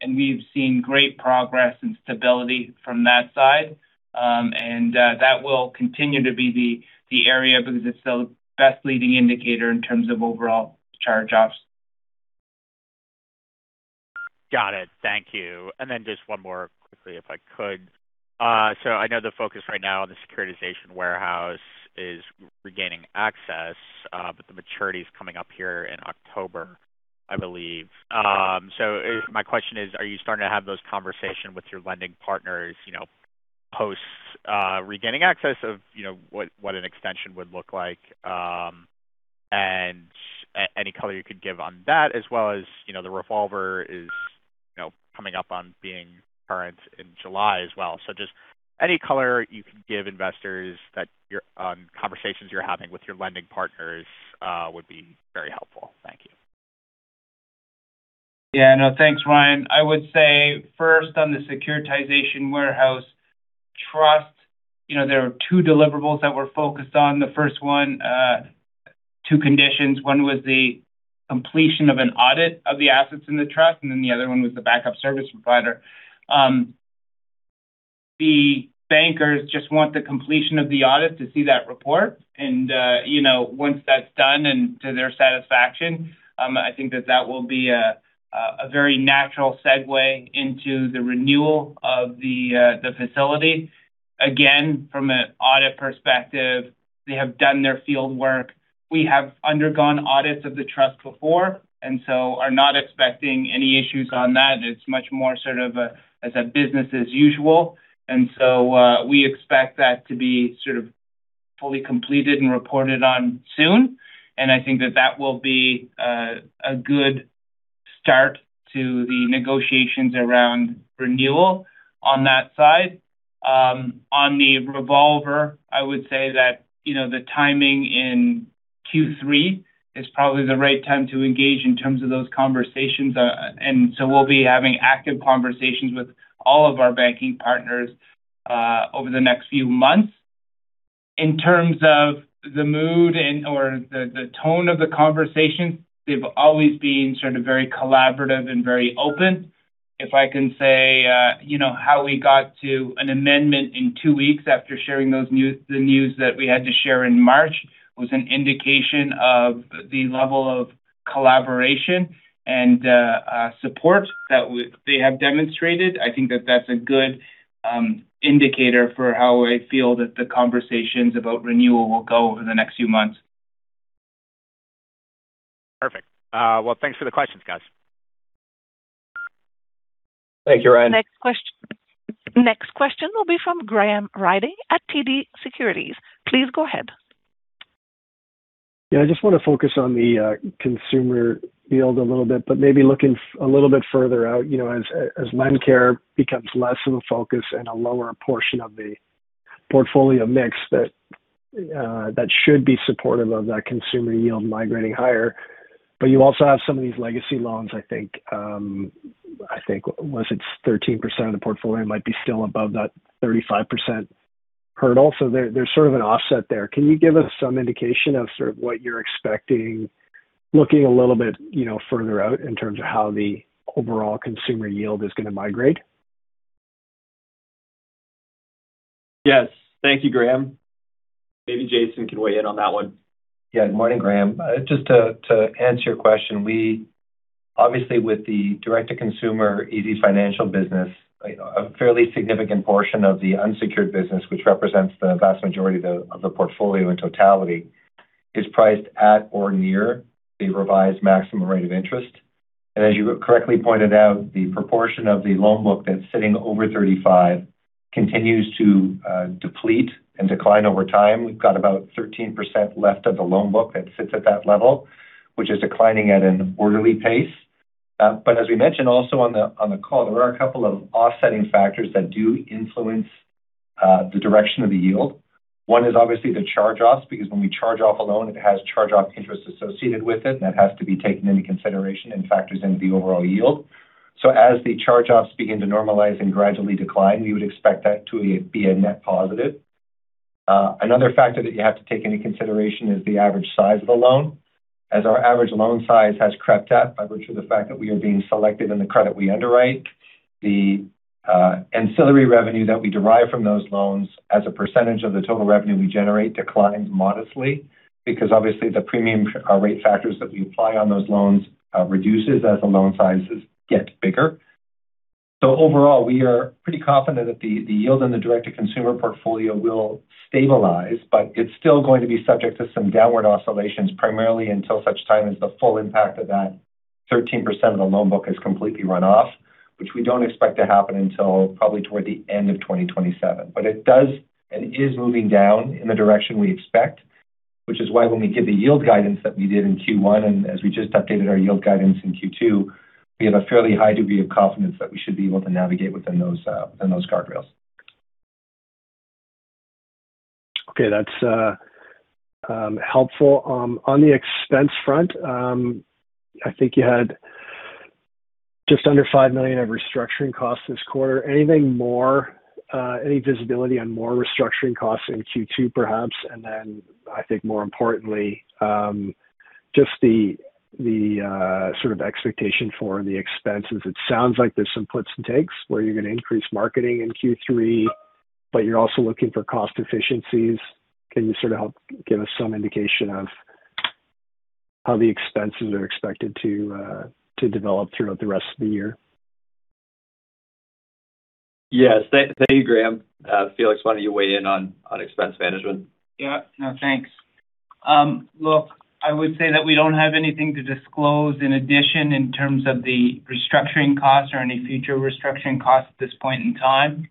and we've seen great progress and stability from that side. That will continue to be the area because it's the best leading indicator in terms of overall charge-offs. Got it. Thank you. Then just one more quickly, if I could. I know the focus right now on the Securitization Warehouse is regaining access, but the maturity is coming up here in October, I believe. My question is, are you starting to have those conversation with your lending partners, you know, post regaining access of, you know, what an extension would look like? Any color you could give on that as well as, you know, the revolver is, you know, coming up on being current in July as well. Just any color you can give investors on conversations you're having with your lending partners would be very helpful. Thank you. Yeah. No, thanks, Ryan. I would say first on the Securitization Warehouse Trust, you know, there are two deliverables that we're focused on. The first one, two conditions. One was the completion of an audit of the assets in the trust, and then the other one was the backup service provider. The bankers just want the completion of the audit to see that report. You know, once that's done and to their satisfaction, I think that that will be a very natural segue into the renewal of the facility. Again, from an audit perspective, they have done their field work. We have undergone audits of the trust before, and so are not expecting any issues on that. It's much more sort of a, as a business as usual. We expect that to be sort of fully completed and reported on soon. I think that that will be a good start to the negotiations around renewal on that side. On the revolver, I would say that, you know, the timing in Q3 is probably the right time to engage in terms of those conversations. We'll be having active conversations with all of our banking partners over the next few months. In terms of the mood or the tone of the conversation, they've always been sort of very collaborative and very open. If I can say, you know, how we got to an amendment in 2 weeks after sharing the news that we had to share in March, was an indication of the level of collaboration and support that they have demonstrated. I think that that's a good indicator for how I feel that the conversations about renewal will go over the next few months. Perfect. Well, thanks for the questions, guys. Thank you, Ryan. Next question will be from Graham Ryding at TD Securities. Please go ahead. Yeah. I just wanna focus on the consumer yield a little bit, but maybe looking a little bit further out, you know, as LendCare becomes less of a focus and a lower portion of the portfolio mix that should be supportive of that consumer yield migrating higher. You also have some of these legacy loans, I think. I think once it's 13% of the portfolio, it might be still above that 35% hurdle. There, there's sort of an offset there. Can you give us some indication of sort of what you're expecting looking a little bit, you know, further out in terms of how the overall consumer yield is going to migrate? Yes. Thank you, Graham. Maybe Jason can weigh in on that one. Morning, Graham. To answer your question, we obviously with the direct to consumer easyfinancial business, a fairly significant portion of the unsecured business, which represents the vast majority of the portfolio in totality, is priced at or near the revised maximum rate of interest. As you correctly pointed out, the proportion of the loan book that's sitting over 35% continues to deplete and decline over time. We've got about 13% left of the loan book that sits at that level, which is declining at an orderly pace. As we mentioned also on the call, there are a couple of offsetting factors that do influence the direction of the yield. One is obviously the charge-offs, because when we charge off a loan, it has charge-off interest associated with it. That has to be taken into consideration and factors into the overall yield. As the charge-offs begin to normalize and gradually decline, we would expect that to be a net positive. Another factor that you have to take into consideration is the average size of the loan. As our average loan size has crept up by virtue of the fact that we are being selected in the credit we underwrite, the ancillary revenue that we derive from those loans as a percentage of the total revenue we generate declined modestly because obviously the premium rate factors that we apply on those loans reduces as the loan sizes get bigger. Overall, we are pretty confident that the yield on the direct to consumer portfolio will stabilize, but it is still going to be subject to some downward oscillations, primarily until such time as the full impact of that 13% of the loan book is completely run off, which we do not expect to happen until probably toward the end of 2027. It does and it is moving down in the direction we expect, which is why when we give the yield guidance that we did in Q1, and as we just updated our yield guidance in Q2, we have a fairly high degree of confidence that we should be able to navigate within those, within those guardrails. Okay. That's helpful. On the expense front, I think you had just under 5 million of restructuring costs this quarter. Any visibility on more restructuring costs in Q2 perhaps? I think more importantly, just the sort of expectation for the expenses. It sounds like there's some puts and takes where you're gonna increase marketing in Q3, but you're also looking for cost efficiencies. Can you sort of help give us some indication of how the expenses are expected to develop throughout the rest of the year. Yeah. Thank you, Graham. Felix, why don't you weigh in on expense management? Yeah. No, thanks. Look, I would say that we don't have anything to disclose in addition in terms of the restructuring costs or any future restructuring costs at this point in time.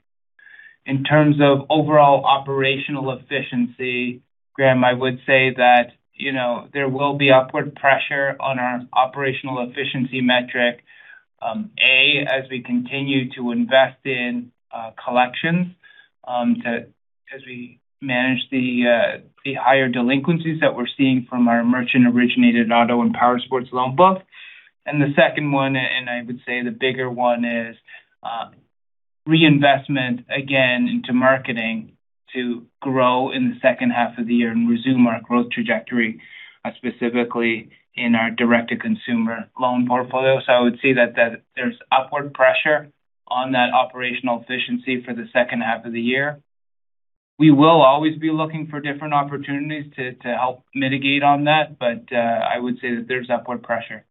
In terms of overall operational efficiency, Graham, I would say that, you know, there will be upward pressure on our operational efficiency metric as we continue to invest in collections as we manage the higher delinquencies that we're seeing from our merchant-originated auto and powersports loan book. The second one, and I would say the bigger one, is reinvestment again into marketing to grow in the second half of the year and resume our growth trajectory specifically in our direct-to-consumer loan portfolio. I would say that there's upward pressure on that operational efficiency for the second half of the year. We will always be looking for different opportunities to help mitigate on that, but I would say that there's upward pressure.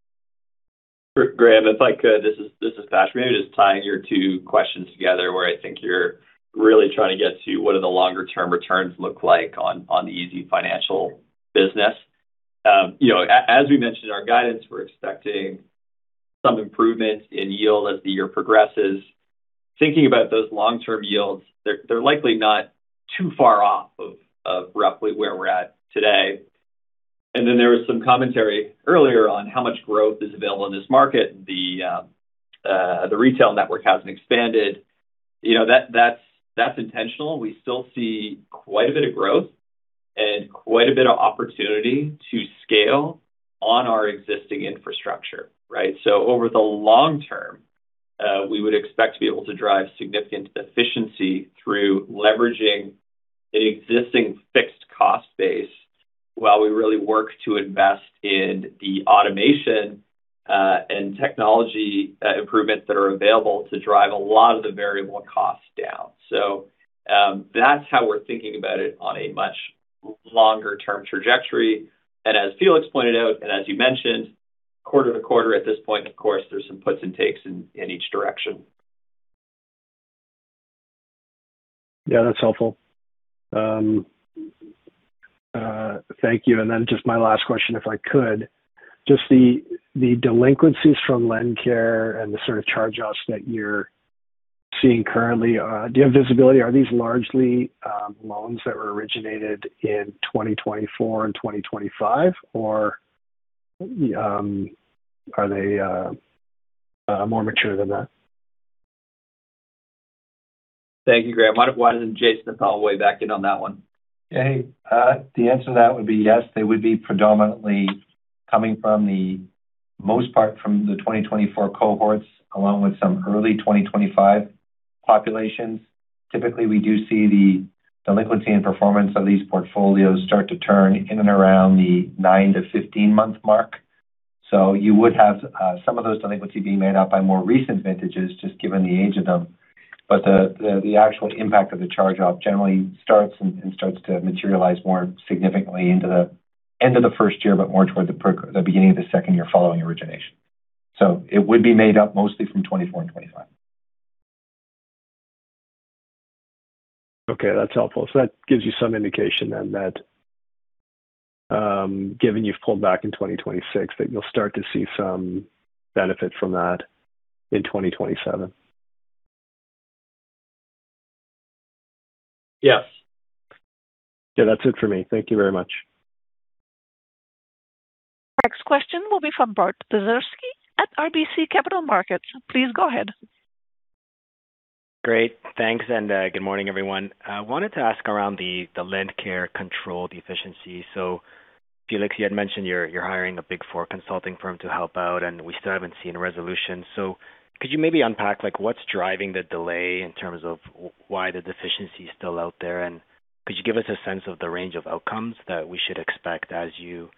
Graham, if I could, this is Patrick. Maybe just tying your two questions together where I think you're really trying to get to what are the longer term returns look like on the easyfinancial business. You know, as we mentioned in our guidance, we're expecting some improvements in yield as the year progresses. Thinking about those long-term yields, they're likely not too far off of roughly where we're at today. Then there was some commentary earlier on how much growth is available in this market. The retail network hasn't expanded. You know, that's intentional. We still see quite a bit of growth and quite a bit of opportunity to scale on our existing infrastructure, right? Over the long term, we would expect to be able to drive significant efficiency through leveraging an existing fixed cost base while we really work to invest in the automation and technology improvements that are available to drive a lot of the variable costs down. That's how we're thinking about it on a much longer term trajectory. As Felix pointed out, and as you mentioned, quarter to quarter at this point, of course, there's some puts and takes in each direction. Yeah, that's helpful. Thank you. Then just my last question, if I could. Just the delinquencies from LendCare and the sort of charge-offs that you're seeing currently, do you have visibility? Are these largely, loans that were originated in 2024 and 2025 or are they more mature than that? Thank you, Graham. Why doesn't Jason Appel weigh back in on that one? Hey, the answer to that would be yes. They would be predominantly coming from the most part from the 2024 cohorts, along with some early 2025 populations. Typically, we do see the delinquency and performance of these portfolios start to turn in and around the 9 months to 15-month mark. You would have some of those delinquencies being made up by more recent vintages, just given the age of them. The actual impact of the charge-off generally starts and starts to materialize more significantly into the end of the 1st year, but more towards the beginning of the 2nd year following origination. It would be made up mostly from 2024 and 2025. Okay, that's helpful. That gives you some indication then that, given you've pulled back in 2026, that you'll start to see some benefit from that in 2027. Yes. Yeah, that's it for me. Thank you very much. Next question will be from Bart Dziarski at RBC Capital Markets. Please go ahead. Great. Thanks. Good morning, everyone. I wanted to ask around the LendCare control deficiency. Felix, you had mentioned you're hiring a Big Four consulting firm to help out, and we still haven't seen a resolution. Could you maybe unpack, like, what's driving the delay in terms of why the deficiency is still out there? Could you give us a sense of the range of outcomes that we should expect as you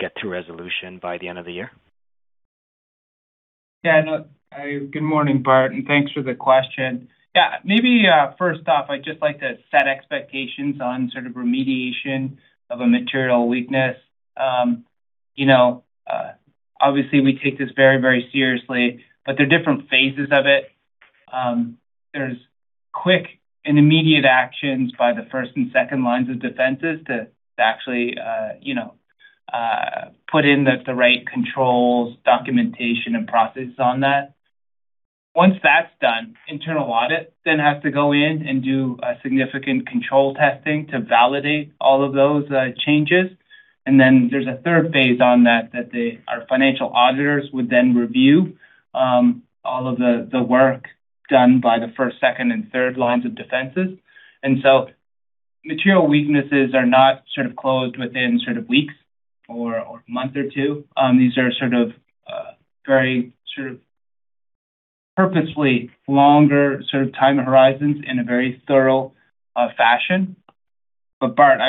get to resolution by the end of the year? Yeah. No. Good morning, Bart Dziarski, and thanks for the question. Yeah. Maybe, first off, I'd just like to set expectations on sort of remediation of a material weakness. You know, obviously we take this very, very seriously, there are different phases of it. There's quick and immediate actions by the first and second lines of defenses to actually, you know, put in the right controls, documentation and processes on that. Once that's done, internal audit then has to go in and do a significant control testing to validate all of those changes. Then there's a third phase on that our financial auditors would then review all of the work done by the first, second and third lines of defenses. Material weaknesses are not sort of closed within sort of weeks or a month or two. These are sort of, very sort of purposefully longer sort of time horizons in a very thorough fashion. Bart,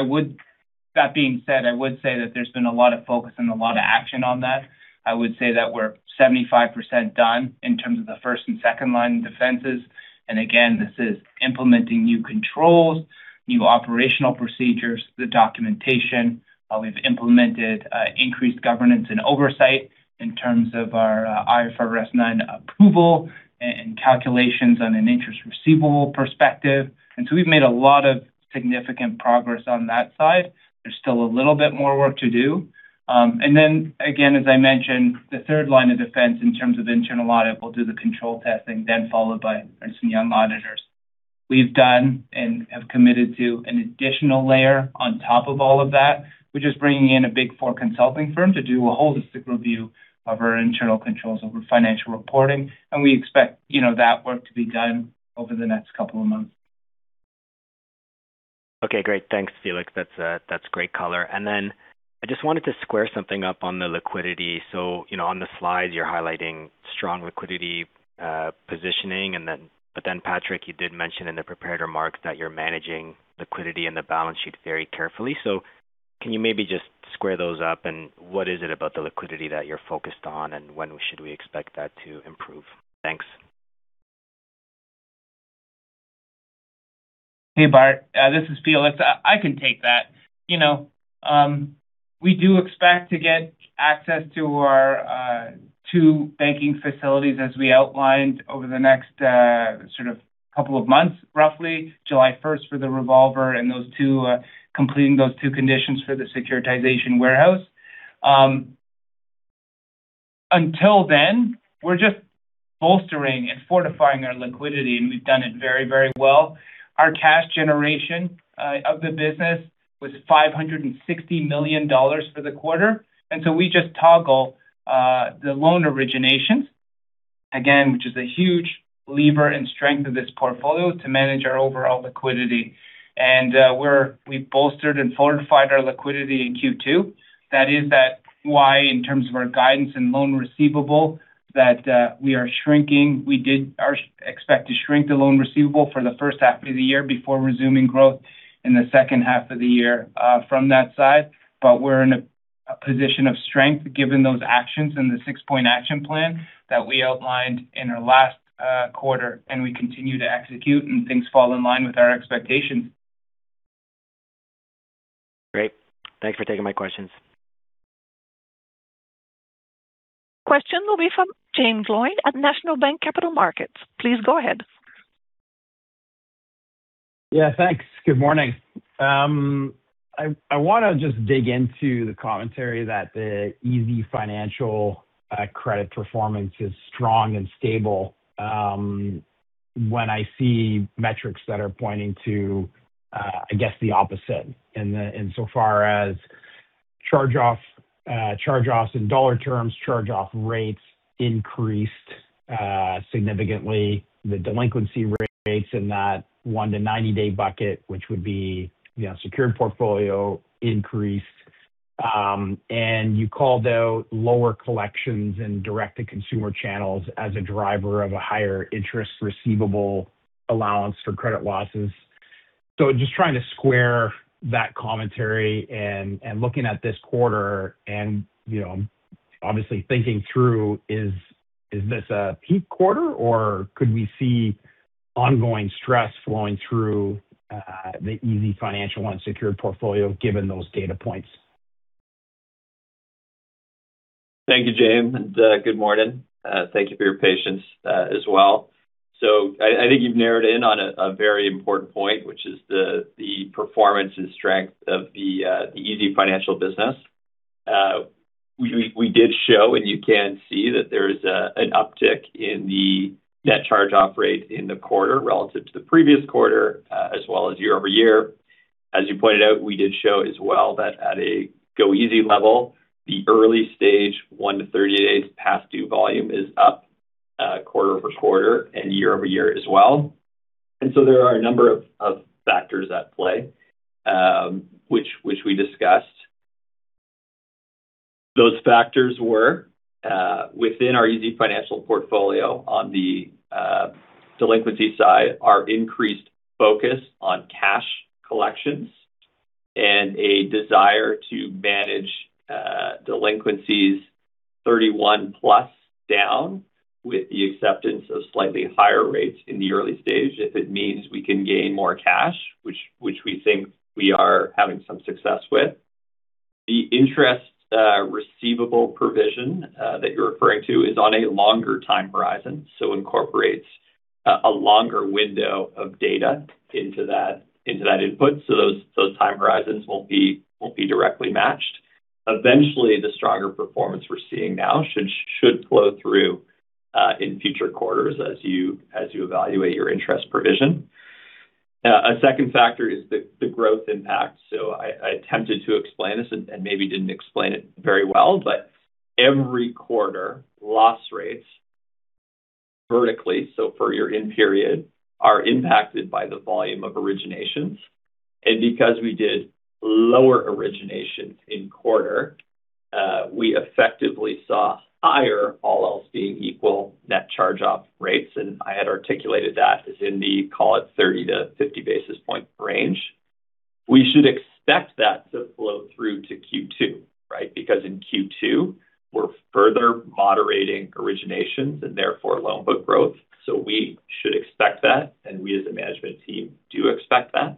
that being said, I would say that there has been a lot of focus and a lot of action on that. I would say that we are 75% done in terms of the first and second line of defenses. Again, this is implementing new controls, new operational procedures, the documentation. We have implemented increased governance and oversight in terms of our IFRS 9 approval and calculations on an interest receivable perspective. We have made a lot of significant progress on that side. There is still a little bit more work to do. Again, as I mentioned, the third line of defense in terms of internal audit, we'll do the control testing then followed by our internal audit. We've done and have committed to an additional layer on top of all of that. We're just bringing in a Big Four consulting firm to do a holistic review of our internal controls over financial reporting, and we expect, you know, that work to be done over the next couple of months. Okay, great. Thanks, Felix. That's, that's great color. I just wanted to square something up on the liquidity. You know, on the slide, you're highlighting strong liquidity positioning, Patrick, you did mention in the prepared remarks that you're managing liquidity in the balance sheet very carefully. Can you maybe just square those up, and what is it about the liquidity that you're focused on, and when should we expect that to improve? Thanks. Hey, Bart. This is Felix. I can take that. You know, we do expect to get access to our two banking facilities as we outlined over the next sort of couple of months, roughly July 1st for the revolver and those two completing those two conditions for the Securitization Warehouse. Until then, we're just bolstering and fortifying our liquidity, and we've done it very, very well. Our cash generation of the business was 560 million dollars for the quarter. We just toggle the loan origination, again, which is a huge lever and strength of this portfolio to manage our overall liquidity. We've bolstered and fortified our liquidity in Q2. That is that why in terms of our guidance and loan receivable that we are shrinking. We expect to shrink the loan receivable for the first half of the year before resuming growth in the second half of the year from that side. We're in a position of strength given those actions and the six-point action plan that we outlined in our last quarter, and we continue to execute, and things fall in line with our expectations. Great. Thanks for taking my questions. Question will be from James Lloyd at National Bank Capital Markets. Please go ahead. Yeah, thanks. Good morning. I wanna just dig into the commentary that the easyfinancial credit performance is strong and stable when I see metrics that are pointing to I guess the opposite insofar as charge-off charge-offs in dollar terms, charge-off rates increased significantly. The delinquency rates in that 1 to 90 day bucket, which would be, you know, secured portfolio increased. You called out lower collections and direct-to-consumer channels as a driver of a higher interest receivable allowance for credit losses. Just trying to square that commentary and looking at this quarter and, you know, obviously thinking through, is this a peak quarter or could we see ongoing stress flowing through the easyfinancial unsecured portfolio given those data points? Thank you, James, and good morning. Thank you for your patience as well. I think you've narrowed in on a very important point, which is the performance and strength of the easyfinancial business. We did show, and you can see that there is an uptick in the net charge-off rate in the quarter relative to the previous quarter, as well as year-over-year. As you pointed out, we did show as well that at a goeasy level, the early stage, 1 to 30 days past due volume is up quarter-over-quarter and year-over-year as well. There are a number of factors at play, which we discussed. Those factors were within our easyfinancial portfolio on the delinquency side, our increased focus on cash collections and a desire to manage delinquencies 31+ down with the acceptance of slightly higher rates in the early stage, if it means we can gain more cash, which we think we are having some success with. The interest receivable provision that you're referring to is on a longer time horizon, so incorporates a longer window of data into that input, so those time horizons won't be directly matched. Eventually, the stronger performance we're seeing now should flow through in future quarters as you evaluate your interest provision. A second factor is the growth impact. I attempted to explain this and maybe didn't explain it very well, but every quarter, loss rates vertically, so per year in period, are impacted by the volume of originations. Because we did lower originations in quarter, we effectively saw higher all else being equal net charge-off rates, and I had articulated that as in the, call it, 30 basis point to 50 basis point range. We should expect that to flow through to Q2, right? Because in Q2, we're further moderating originations and therefore loan book growth. We should expect that, and we as a management team do expect that.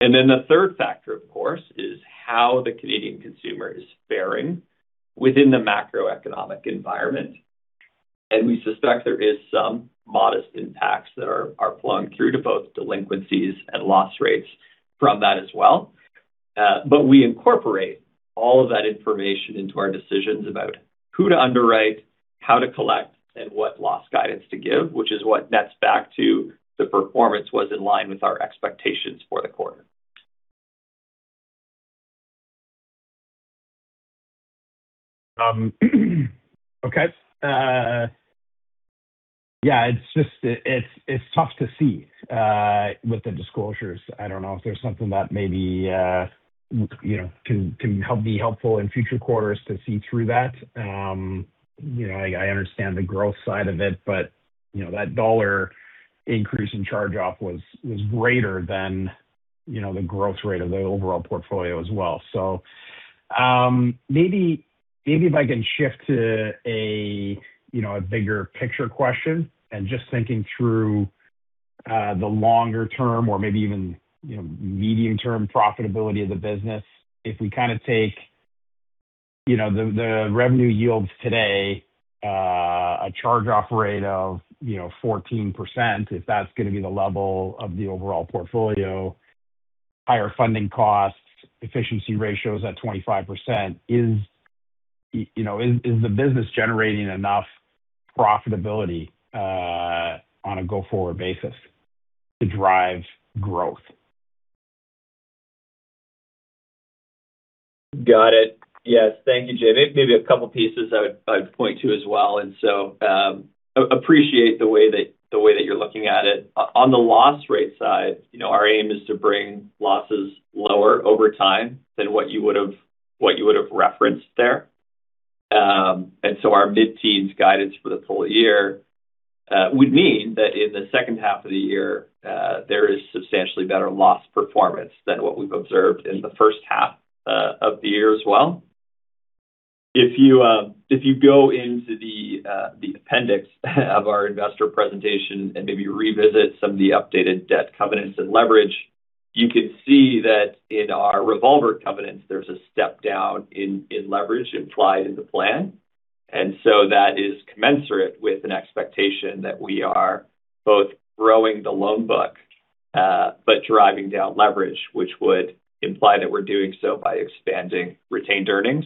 Then the third factor, of course, is how the Canadian consumer is faring within the macroeconomic environment. We suspect there is some modest impacts that are flowing through to both delinquencies and loss rates from that as well. We incorporate all of that information into our decisions about who to underwrite, how to collect, and what loss guidance to give, which is what nets back to the performance was in line with our expectations for the quarter. Okay. Yeah, it's just, it's tough to see with the disclosures. I don't know if there's something that maybe, you know, can be helpful in future quarters to see through that. You know, I understand the growth side of it, but, you know, that dollar increase in charge-off was greater than, you know, the growth rate of the overall portfolio as well. Maybe if I can shift to a, you know, a bigger picture question and just thinking through the longer term or maybe even, you know, medium-term profitability of the business. If we kind of take, you know, the revenue yields today, a charge-off rate of, you know, 14%, if that's gonna be the level of the overall portfolio, higher funding costs, efficiency ratios at 25%, you know, is the business generating enough profitability, on a go-forward basis to drive growth? Got it. Yes. Thank you, Jay. Maybe a couple pieces I would point to as well. Appreciate the way that you're looking at it. On the loss rate side, you know, our aim is to bring losses lower over time than what you would've referenced there. Our mid-teens guidance for the full year would mean that in the second half of the year, there is substantially better loss performance than what we've observed in the first half of the year as well. If you go into the appendix of our investor presentation and maybe revisit some of the updated debt covenants and leverage, you can see that in our revolver covenants, there's a step down in leverage implied in the plan. That is commensurate with an expectation that we are both growing the loan book, but driving down leverage, which would imply that we are doing so by expanding retained earnings.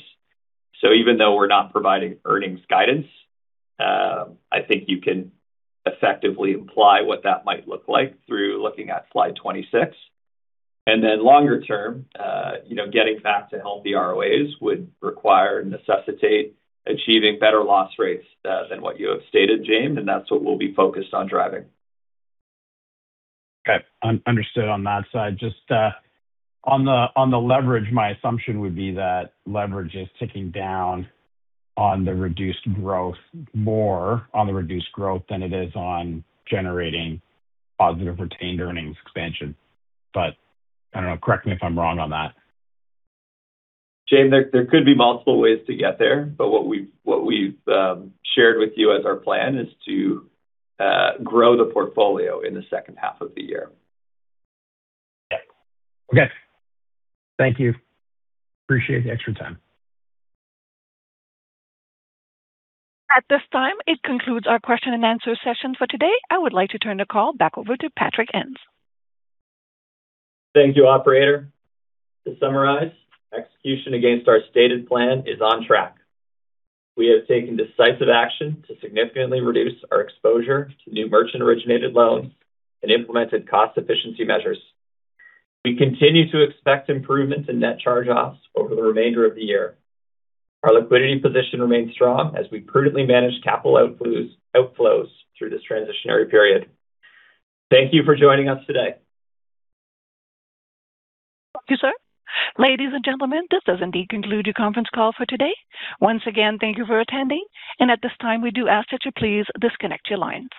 Even though we are not providing earnings guidance, I think you can effectively imply what that might look like through looking at slide 26. Longer term, you know, getting back to healthy ROAs would require and necessitate achieving better loss rates than what you have stated, Jay, and that is what we will be focused on driving. Okay. Understood on that side. Just on the leverage, my assumption would be that leverage is ticking down on the reduced growth, more on the reduced growth than it is on generating positive retained earnings expansion. I don't know. Correct me if I'm wrong on that. Jay, there could be multiple ways to get there, but what we've shared with you as our plan is to grow the portfolio in the second half of the year. Okay. Thank you. Appreciate the extra time. At this time, it concludes our question-and-answer session for today. I would like to turn the call back over to Patrick Ens. Thank you, operator. To summarize, execution against our stated plan is on track. We have taken decisive action to significantly reduce our exposure to new merchant-originated loans and implemented cost efficiency measures. We continue to expect improvements in net charge-offs over the remainder of the year. Our liquidity position remains strong as we prudently manage capital outflows through this transitionary period. Thank you for joining us today. Thank you, sir. Ladies and gentlemen, this does indeed conclude your conference call for today. Once again, thank you for attending, and at this time, we do ask that you please disconnect your lines.